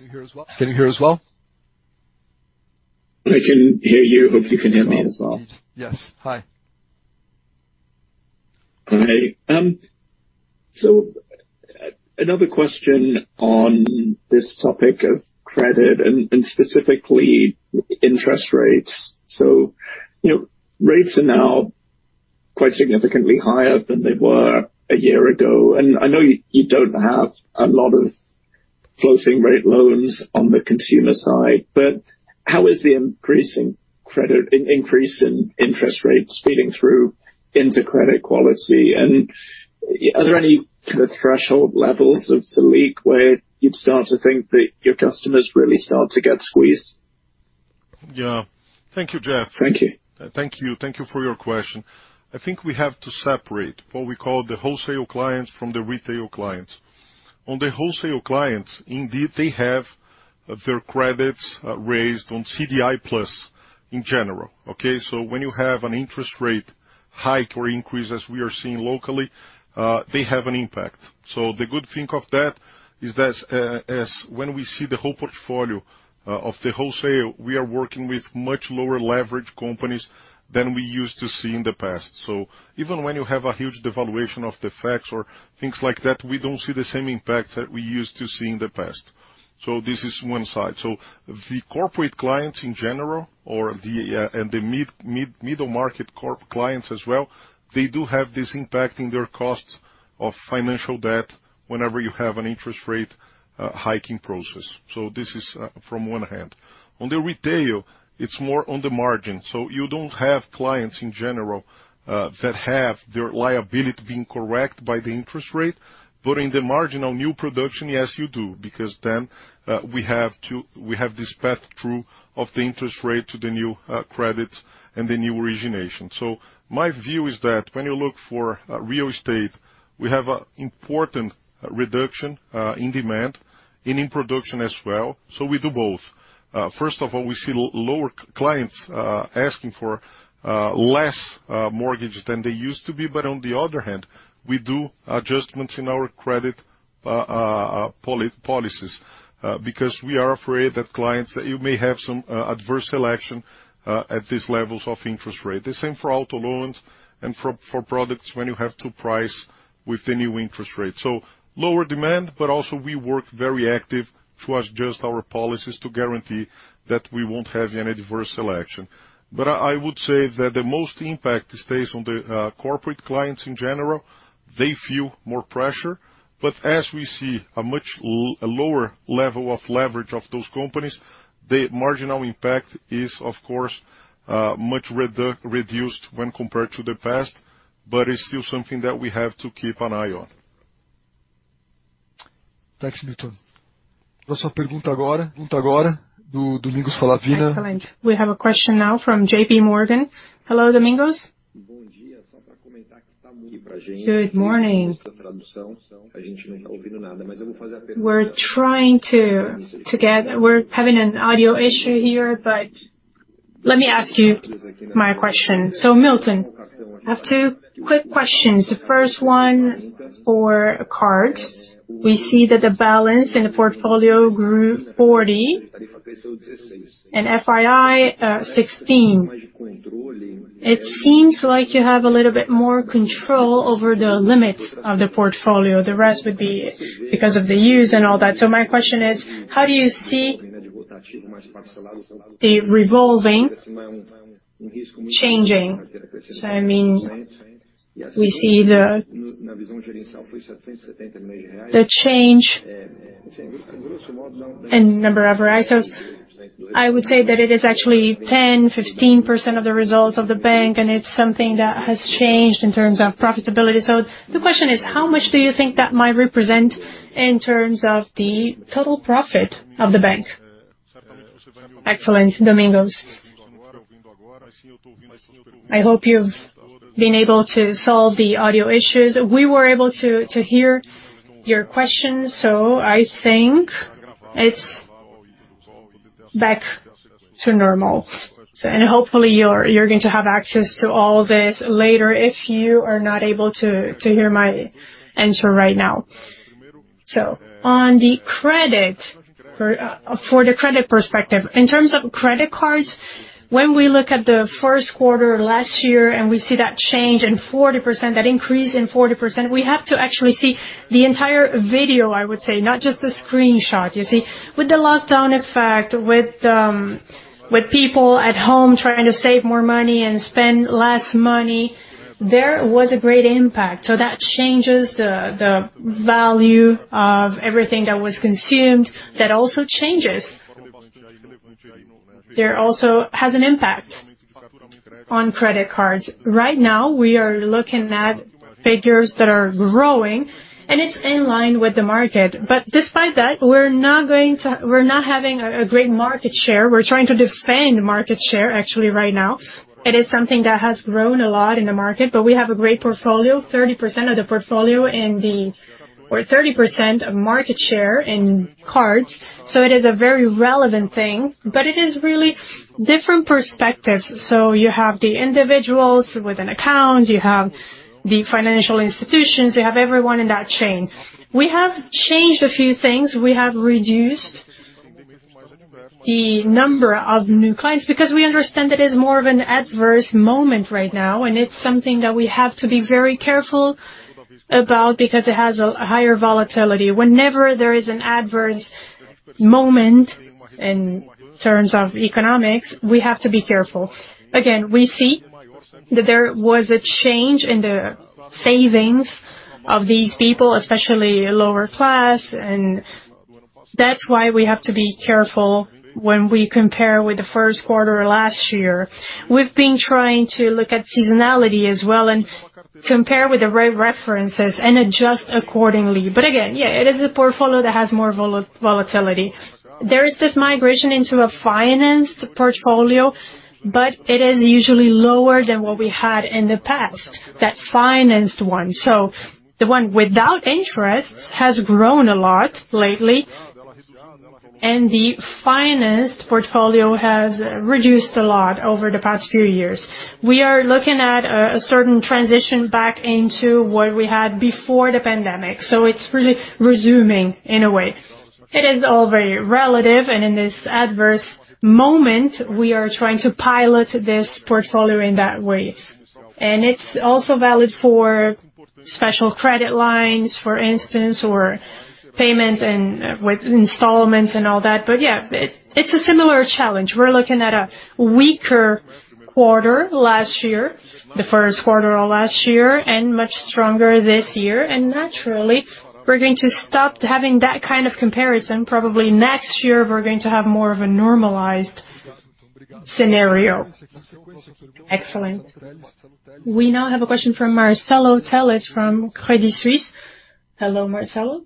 Speaker 1: Can you hear us well?
Speaker 10: I can hear you. Hope you can hear me as well. Yes. Hi. Hi. Another question on this topic of credit and specifically interest rates. You know, rates are now quite significantly higher than they were a year ago. I know you don't have a lot of floating rate loans on the consumer side, but how is the increase in interest rates feeding through into credit quality? Are there any kind of threshold levels of Selic where you'd start to think that your customers really start to get squeezed? Thank you, Jeffrey. Thank you for your question. I think we have to separate what we call the wholesale clients from the retail clients. On the wholesale clients, indeed, they have their credits based on CDI plus.
Speaker 2: In general, okay? When you have an interest rate hike or increase as we are seeing locally, they have an impact. The good thing of that is that, when we see the whole portfolio of the wholesale, we are working with much lower leverage companies than we used to see in the past. Even when you have a huge devaluation of the FX or things like that, we don't see the same impact that we used to see in the past. This is one side. The corporate clients in general or the, and the middle market corp clients as well, they do have this impact in their costs of financial debt whenever you have an interest rate hiking process. This is, on one hand. On the retail, it's more on the margin. You don't have clients in general that have their liability being affected by the interest rate, but in the marginal new production, yes, you do, because then we have this passthrough of the interest rate to the new credit and the new origination. My view is that when you look at real estate, we have an important reduction in demand and in production as well, so we do both. First of all, we see fewer clients asking for less mortgage than they used to be, but on the other hand, we do adjustments in our credit policies, because we are afraid that clients may have some adverse selection at these levels of interest rate. The same for auto loans and for products when you have to price with the new interest rate. Lower demand, but also we work very actively to adjust our policies to guarantee that we won't have any adverse selection. I would say that the most impact stays on the corporate clients in general. They feel more pressure, but as we see a much lower level of leverage of those companies, the marginal impact is, of course, much reduced when compared to the past, but it's still something that we have to keep an eye on.
Speaker 11: Thanks, Milton. Excellent. We have a question now from JP Morgan. Hello, Domingos. Good morning. We're having an audio issue here, but let me ask you my question. Milton, I have two quick questions. The first one for cards. We see that the balance in the portfolio grew 40% and fees 16%. It seems like you have a little bit more control over the limits of the portfolio. The rest would be because of the use and all that. My question is: How do you see the revolving changing? I mean, we see the change in number of users. I would say that it is actually 10-15% of the results of the bank, and it's something that has changed in terms of profitability. The question is: How much do you think that might represent in terms of the total profit of the bank? Excellent, Domingos. I hope you've been able to solve the audio issues. We were able to hear your question, so I think it's back to normal. Hopefully, you're going to have access to all this later if you are not able to hear my answer right now. On the credit perspective, in terms of credit cards, when we look at the first quarter last year and we see that change in 40%, that increase in 40%, we have to actually see the entire video, I would say, not just the screenshot, you see. With the lockdown effect, with people at home trying to save more money and spend less money, there was a great impact. That changes the value of everything that was consumed. That also changes. There also has an impact on credit cards. Right now, we are looking at figures that are growing, and it's in line with the market. Despite that, we're not having a great market share. We're trying to defend market share actually right now. It is something that has grown a lot in the market, but we have a great portfolio, 30% of market share in cards, so it is a very relevant thing. It is really different perspectives. You have the individuals with an account, you have the financial institutions, you have everyone in that chain. We have changed a few things. We have reduced the number of new clients because we understand it is more of an adverse moment right now, and it's something that we have to be very careful about because it has a higher volatility. Whenever there is an adverse moment in terms of economics, we have to be careful. Again, we see that there was a change in the savings of these people, especially lower class, and that's why we have to be careful when we compare with the first quarter last year. We've been trying to look at seasonality as well and compare with the references and adjust accordingly. Again, yeah, it is a portfolio that has more volatility.
Speaker 2: There is this migration into a financed portfolio, but it is usually lower than what we had in the past, that financed one. The one without interest has grown a lot lately. The financed portfolio has reduced a lot over the past few years. We are looking at a certain transition back into what we had before the pandemic. It's really resuming in a way. It is all very relative, and in this adverse moment, we are trying to pilot this portfolio in that way. It's also valid for special credit lines, for instance, or payments with installments and all that. Yeah, it's a similar challenge. We're looking at a weaker quarter last year, the first quarter of last year, and much stronger this year. Naturally, we're going to stop having that kind of comparison.
Speaker 1: Probably next year, we're going to have more of a normalized scenario. Excellent. We now have a question from Marcelo Telles from Credit Suisse. Hello, Marcelo.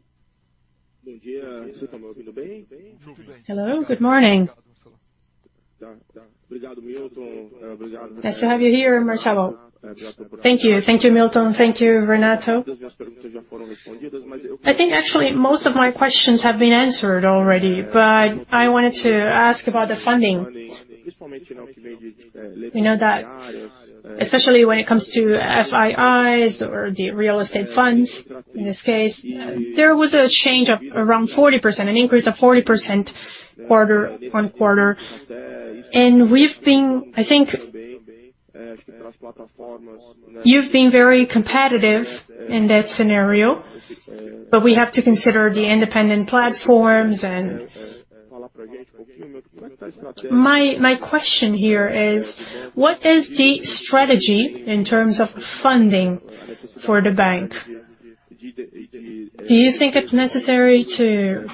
Speaker 1: Good day. Hello, good morning. Nice to have you here, Marcelo. Thank you. Thank you, Milton. Thank you, Renato. I think actually most of my questions have been answered already, but I wanted to ask about the funding. You know that, especially when it comes to FIIs or the real estate funds, in this case, there was a change of around 40%, an increase of 40% quarter-over-quarter. We've been I think you've been very competitive in that scenario, but we have to consider the independent platforms. My question here is: What is the strategy in terms of funding for the bank?
Speaker 2: Do you think it's necessary to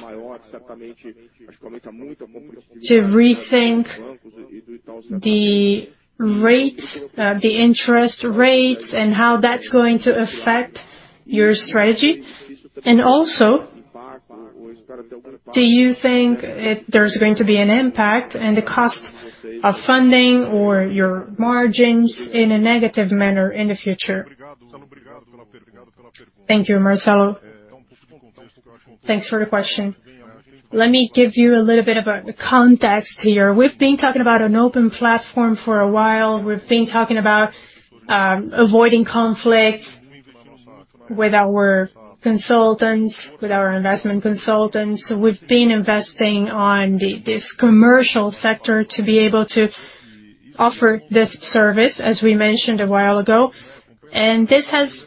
Speaker 2: rethink the rate, the interest rates and how that's going to affect your strategy? Also, do you think there's going to be an impact in the cost of funding or your margins in a negative manner in the future? Thank you, Marcelo. Thanks for the question. Let me give you a little bit of a context here. We've been talking about an open platform for a while. We've been talking about avoiding conflict with our consultants, with our investment consultants. We've been investing in this commercial sector to be able to offer this service, as we mentioned a while ago. This has,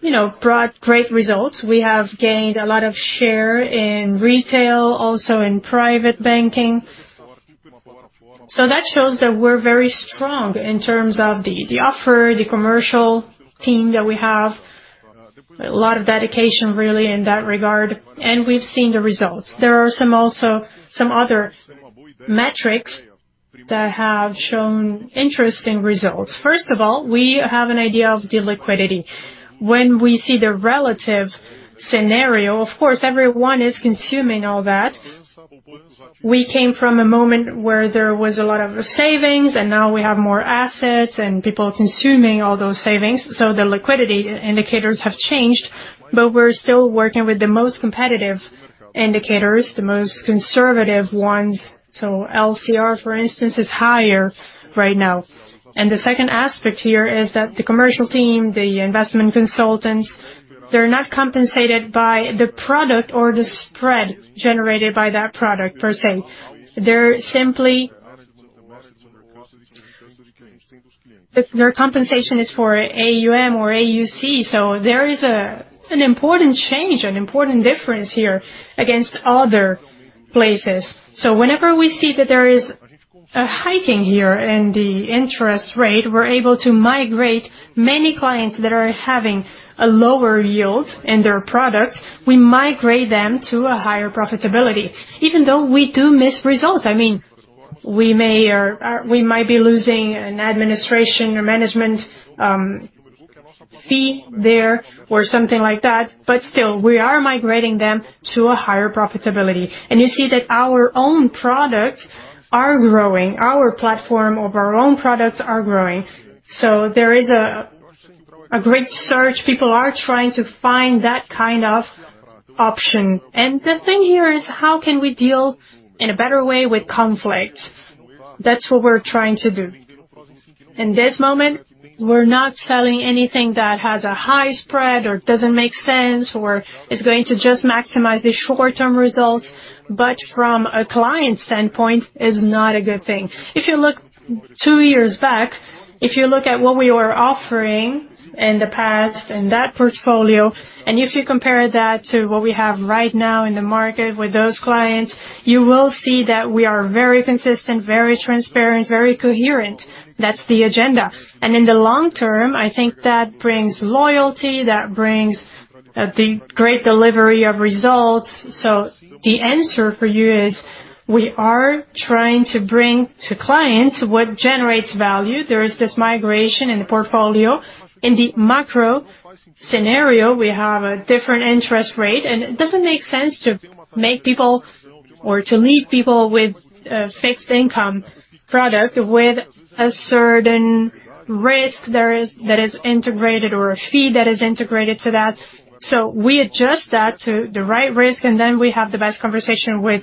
Speaker 2: you know, brought great results. We have gained a lot of share in retail, also in private banking. That shows that we're very strong in terms of the offer, the commercial team that we have. A lot of dedication, really, in that regard, and we've seen the results. There are some other metrics that have shown interesting results. First of all, we have an idea of the liquidity. When we see the relative scenario, of course, everyone is consuming all that. We came from a moment where there was a lot of savings, and now we have more assets and people consuming all those savings, so the liquidity indicators have changed. We're still working with the most competitive indicators, the most conservative ones. LCR, for instance, is higher right now. The second aspect here is that the commercial team, the investment consultants, they're not compensated by the product or the spread generated by that product per se. They're simply. Their compensation is for AUM or AUC. There is an important change, an important difference here against other places. Whenever we see that there is a hiking here in the interest rate, we're able to migrate many clients that are having a lower yield in their products. We migrate them to a higher profitability, even though we do miss results. I mean, we may or we might be losing an administration or management fee there or something like that, but still, we are migrating them to a higher profitability. You see that our own products are growing. Our platform of our own products are growing. There is a great search. People are trying to find that kind of option. The thing here is, how can we deal in a better way with conflict? That's what we're trying to do. In this moment, we're not selling anything that has a high spread, or doesn't make sense, or is going to just maximize the short-term results, but from a client standpoint, is not a good thing. If you look two years back, if you look at what we were offering in the past in that portfolio, and if you compare that to what we have right now in the market with those clients, you will see that we are very consistent, very transparent, very coherent. That's the agenda. In the long term, I think that brings loyalty, that brings, the great delivery of results. The answer for you is: We are trying to bring to clients what generates value. There is this migration in the portfolio. In the macro scenario, we have a different interest rate, and it doesn't make sense to make people or to leave people with a fixed income product with a certain risk that is integrated or a fee that is integrated to that. We adjust that to the right risk, and then we have the best conversation with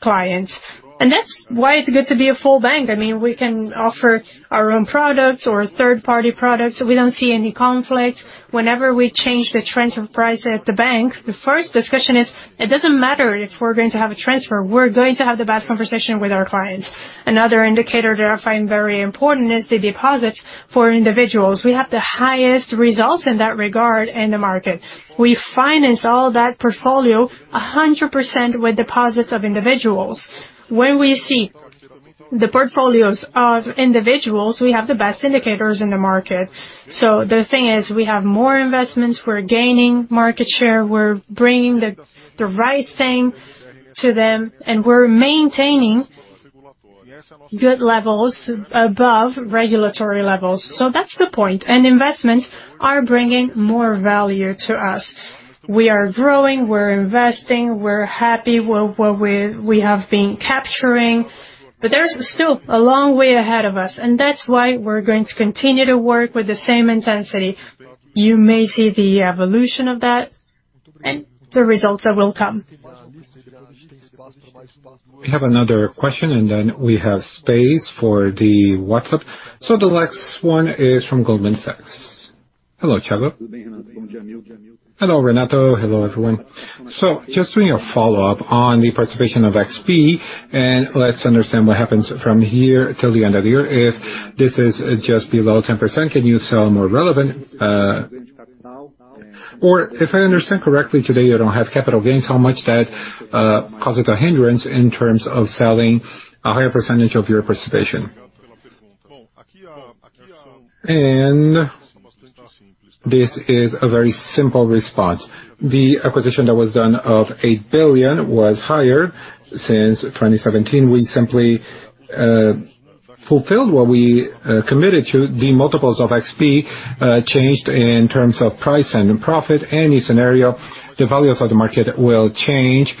Speaker 2: Clients. That's why it's good to be a full bank. I mean, we can offer our own products or third-party products. We don't see any conflict. Whenever we change the transfer price at the bank, the first discussion is, it doesn't matter if we're going to have a transfer, we're going to have the best conversation with our clients. Another indicator that I find very important is the deposits for individuals. We have the highest results in that regard in the market. We finance all that portfolio 100% with deposits of individuals. When we see the portfolios of individuals, we have the best indicators in the market. The thing is, we have more investments, we're gaining market share, we're bringing the right thing to them, and we're maintaining good levels above regulatory levels. That's the point. Investments are bringing more value to us. We are growing, we're investing, we're happy with what we have been capturing, but there's still a long way ahead of us, and that's why we're going to continue to work with the same intensity. You may see the evolution of that and the results that will come. We have another question, and then we have space for the WhatsApp. The last one is from Goldman Sachs. Hello, Thiago. Hello, Renato. Hello, everyone. Just doing a follow-up on the participation of XP, and let's understand what happens from here till the end of the year. If this is just below 10%, can you sell more relevant? Or if I understand correctly, today, you don't have capital gains, how much that causes a hindrance in terms of selling a higher percentage of your participation. And this is a very simple response.
Speaker 12: The acquisition that was done of 8 billion was higher. Since 2017, we simply fulfilled what we committed to. The multiples of XP changed in terms of price and profit. In any scenario, the values of the market will change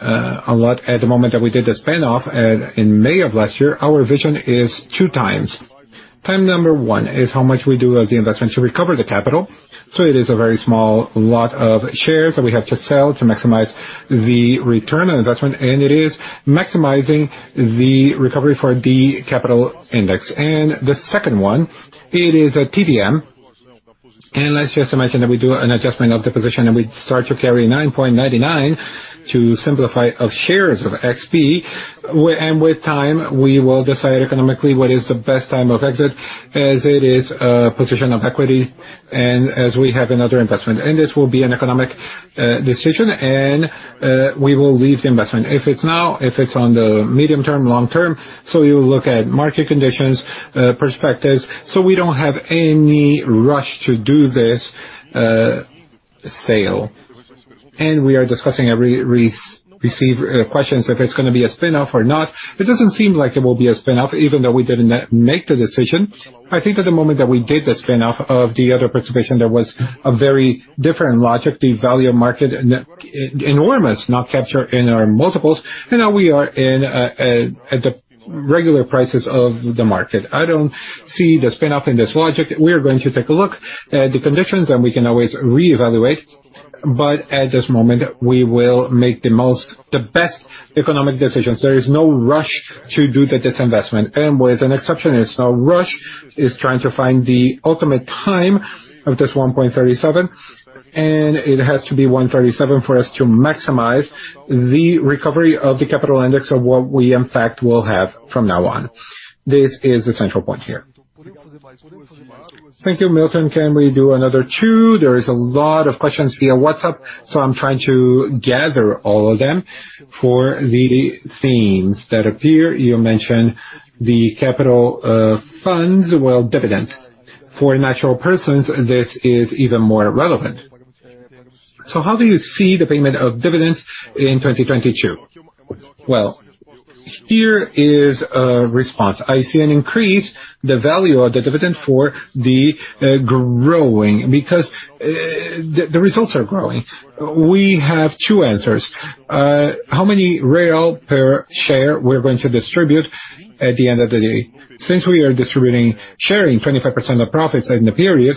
Speaker 12: a lot. At the moment that we did the spin-off in May of last year, our vision is two times. Time number one is how much we do as the investment to recover the capital, so it is a very small lot of shares that we have to sell to maximize the return on investment, and it is maximizing the recovery for the capital index. The second one, it is a TDM. Let's just imagine that we do an adjustment of the position, and we start to carry 9.99 to simplify of shares of XP. With time, we will decide economically what is the best time of exit, as it is a position of equity and as we have another investment. This will be an economic decision, and we will leave the investment. If it's now, if it's on the medium term, long term. You look at market conditions, perspectives. We don't have any rush to do this sale. We are discussing every recurring questions if it's gonna be a spin-off or not. It doesn't seem like it will be a spin-off, even though we didn't make the decision. I think at the moment that we did the spin-off of the other participation, there was a very different logic, the market value enormous, not captured in our multiples. Now we are in at the regular prices of the market. I don't see the spin-off in this logic. We are going to take a look at the conditions, and we can always reevaluate. At this moment, we will make the best economic decisions. There is no rush to do the disinvestment. With an exception, it's no rush, it's trying to find the ultimate time of this 1.37, and it has to be 1.37 for us to maximize the recovery of the capital index of what we, in fact, will have from now on. This is the central point here. Thank you, Milton. Can we do another two? There is a lot of questions via WhatsApp, so I'm trying to gather all of them. For the themes that appear, you mentioned the capital, funds. Well, dividends. For natural persons, this is even more relevant.
Speaker 2: How do you see the payment of dividends in 2022? Well, here is a response. I see an increase in the value of the dividend for the growing because the results are growing. We have two answers. How many reais per share we're going to distribute at the end of the day. Since we are distributing, sharing 25% of profits in the period,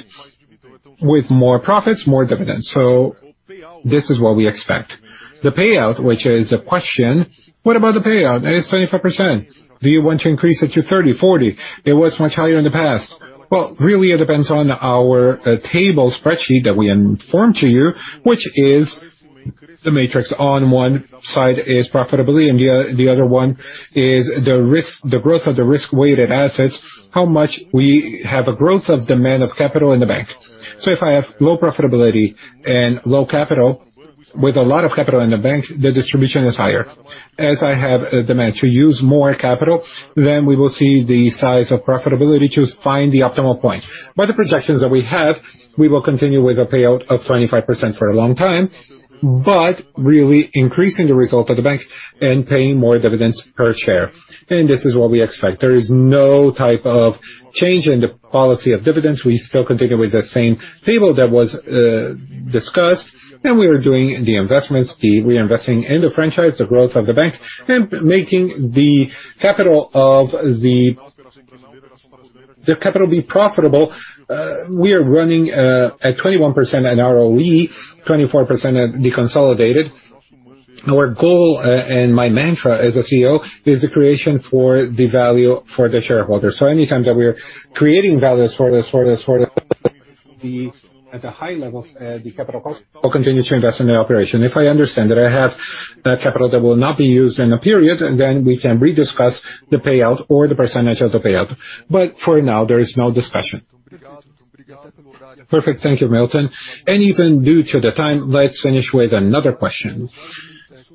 Speaker 2: with more profits, more dividends. This is what we expect. The payout, which is a question, what about the payout? It's 25%. Do you want to increase it to 30%, 40%? It was much higher in the past. Well, really, it depends on our table spreadsheet that we inform to you, which is the matrix. On one side is profitability, and the other one is the risk, the growth of the risk-weighted assets, how much we have a growth of demand of capital in the bank. If I have low profitability and low capital, with a lot of capital in the bank, the distribution is higher. As I have a demand to use more capital, then we will see the size of profitability to find the optimal point. By the projections that we have, we will continue with a payout of 25% for a long time, but really increasing the result of the bank and paying more dividends per share. This is what we expect. There is no type of change in the policy of dividends. We still continue with the same table that was discussed, and we are doing the investments, the reinvesting in the franchise, the growth of the bank, and making the capital be profitable. We are running at 21% in ROE, 24% at the consolidated. Our goal, and my mantra as a CEO, is the creation of value for the shareholder. So any time that we are creating value for the shareholder. At the high levels, the capital cost will continue to invest in the operation. If I understand that I have capital that will not be used in a period, then we can rediscuss the payout or the percentage of the payout. But for now, there is no discussion. Perfect. Thank you, Milton. Even due to the time, let's finish with another question.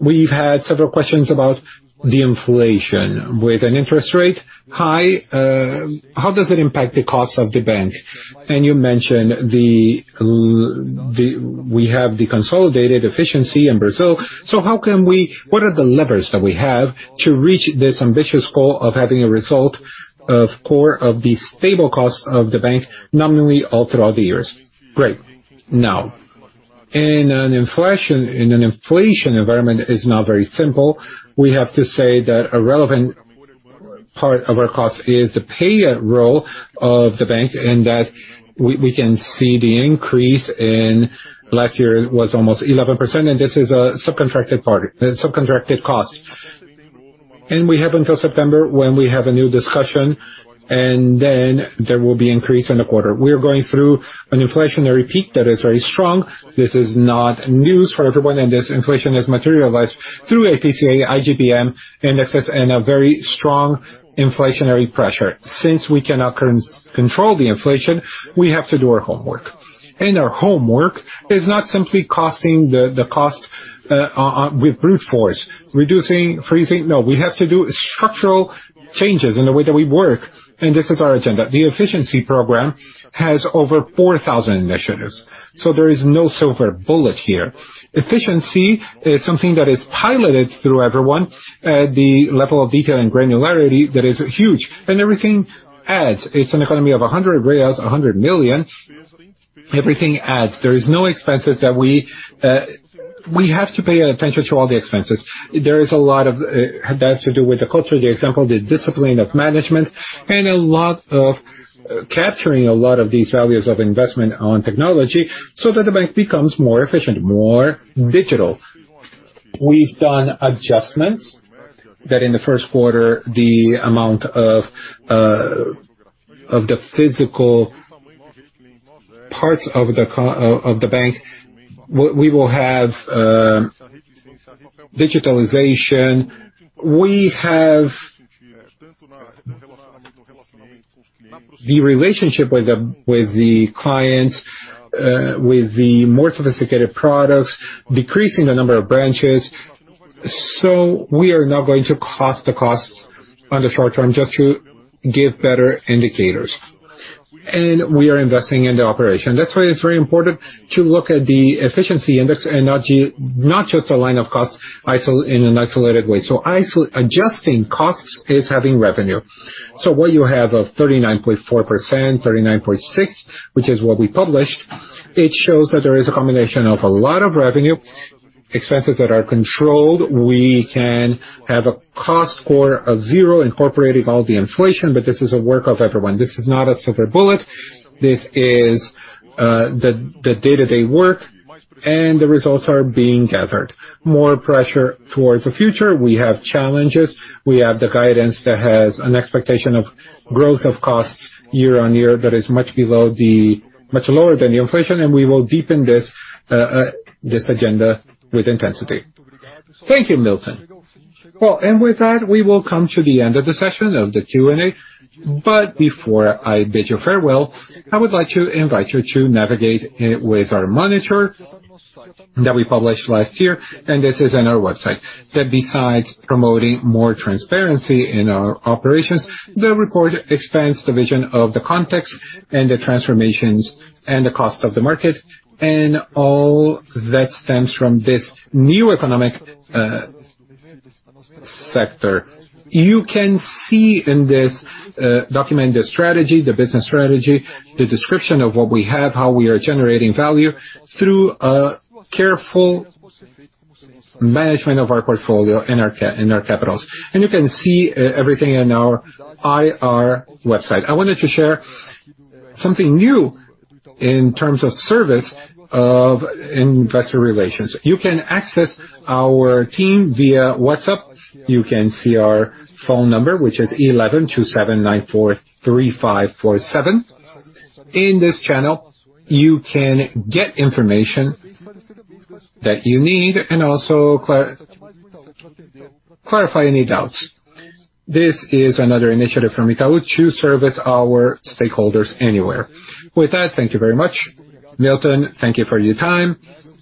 Speaker 2: We've had several questions about the inflation. With a high interest rate, how does it impact the cost of the bank? You mentioned we have the consolidated efficiency in Brazil, so what are the levers that we have to reach this ambitious goal of having a result of core, of the stable cost of the bank, nominally all throughout the years? Great. Now, in an inflation environment is not very simple. We have to say that a relevant part of our cost is the payroll of the bank, and that we can see the increase in last year was almost 11%, and this is a subcontracted part, subcontracted cost. We have until September when we have a new discussion, and then there will be increase in the quarter. We are going through an inflationary peak that is very strong. This is not news for everyone, and this inflation has materialized through IPCA, IGP-M indexes, and a very strong inflationary pressure. Since we cannot currently control the inflation, we have to do our homework. Our homework is not simply cutting the cost with brute force. Reducing, freezing, no. We have to do structural changes in the way that we work, and this is our agenda. The efficiency program has over 4,000 initiatives. There is no silver bullet here. Efficiency is something that is piloted through everyone. The level of detail and granularity, that is huge. Everything adds. It's an economy of 100 reais, 100 million. Everything adds. There is no expenses that we. We have to pay attention to all the expenses. There is a lot of that to do with the culture, the example, the discipline of management, and a lot of capturing a lot of these values of investments in technology so that the bank becomes more efficient, more digital. We've done adjustments that in the first quarter, the amount of the physical parts of the bank, we will have digitalization. We have the relationship with the clients with the more sophisticated products, decreasing the number of branches. We are not going to cut the costs in the short term just to give better indicators. We are investing in the operation. That's why it's very important to look at the efficiency index and not just a line of costs in an isolated way. Adjusting costs is having revenue. What you have of 39.4%, 39.6, which is what we published, it shows that there is a combination of a lot of revenue, expenses that are controlled. We can have a cost score of zero incorporating all the inflation, but this is a work of everyone. This is not a silver bullet. This is the day-to-day work, and the results are being gathered. More pressure towards the future. We have challenges. We have the guidance that has an expectation of growth of costs year-on-year that is much lower than the inflation, and we will deepen this agenda with intensity. Thank you, Milton. Well, with that, we will come to the end of the session, of the Q&A.
Speaker 1: Before I bid you farewell, I would like to invite you to navigate with our monitor that we published last year, and this is on our website. That besides promoting more transparency in our operations, the report expands the vision of the context and the transformations and the cost of the market and all that stems from this new economic sector. You can see in this document, the strategy, the business strategy, the description of what we have, how we are generating value through a careful management of our portfolio and our capitals. You can see everything in our IR website. I wanted to share something new in terms of service of investor relations. You can access our team via WhatsApp. You can see our phone number, which is 11 2794 3547. In this channel, you can get information that you need and also clarify any doubts. This is another initiative from Itaú to service our stakeholders anywhere. With that, thank you very much. Milton, thank you for your time.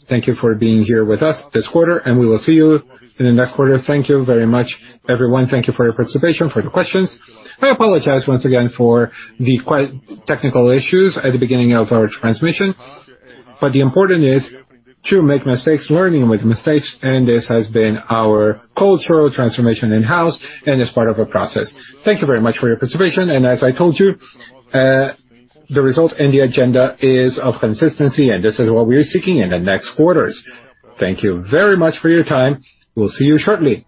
Speaker 1: Thank you for being here with us this quarter, and we will see you in the next quarter. Thank you very much, everyone. Thank you for your participation, for your questions. I apologize once again for the quite technical issues at the beginning of our transmission. The important is to make mistakes, learning with mistakes, and this has been our cultural transformation in-house and is part of a process. Thank you very much for your participation. As I told you, the result and the agenda is of consistency, and this is what we are seeking in the next quarters. Thank you very much for your time.
Speaker 2: We'll see you shortly.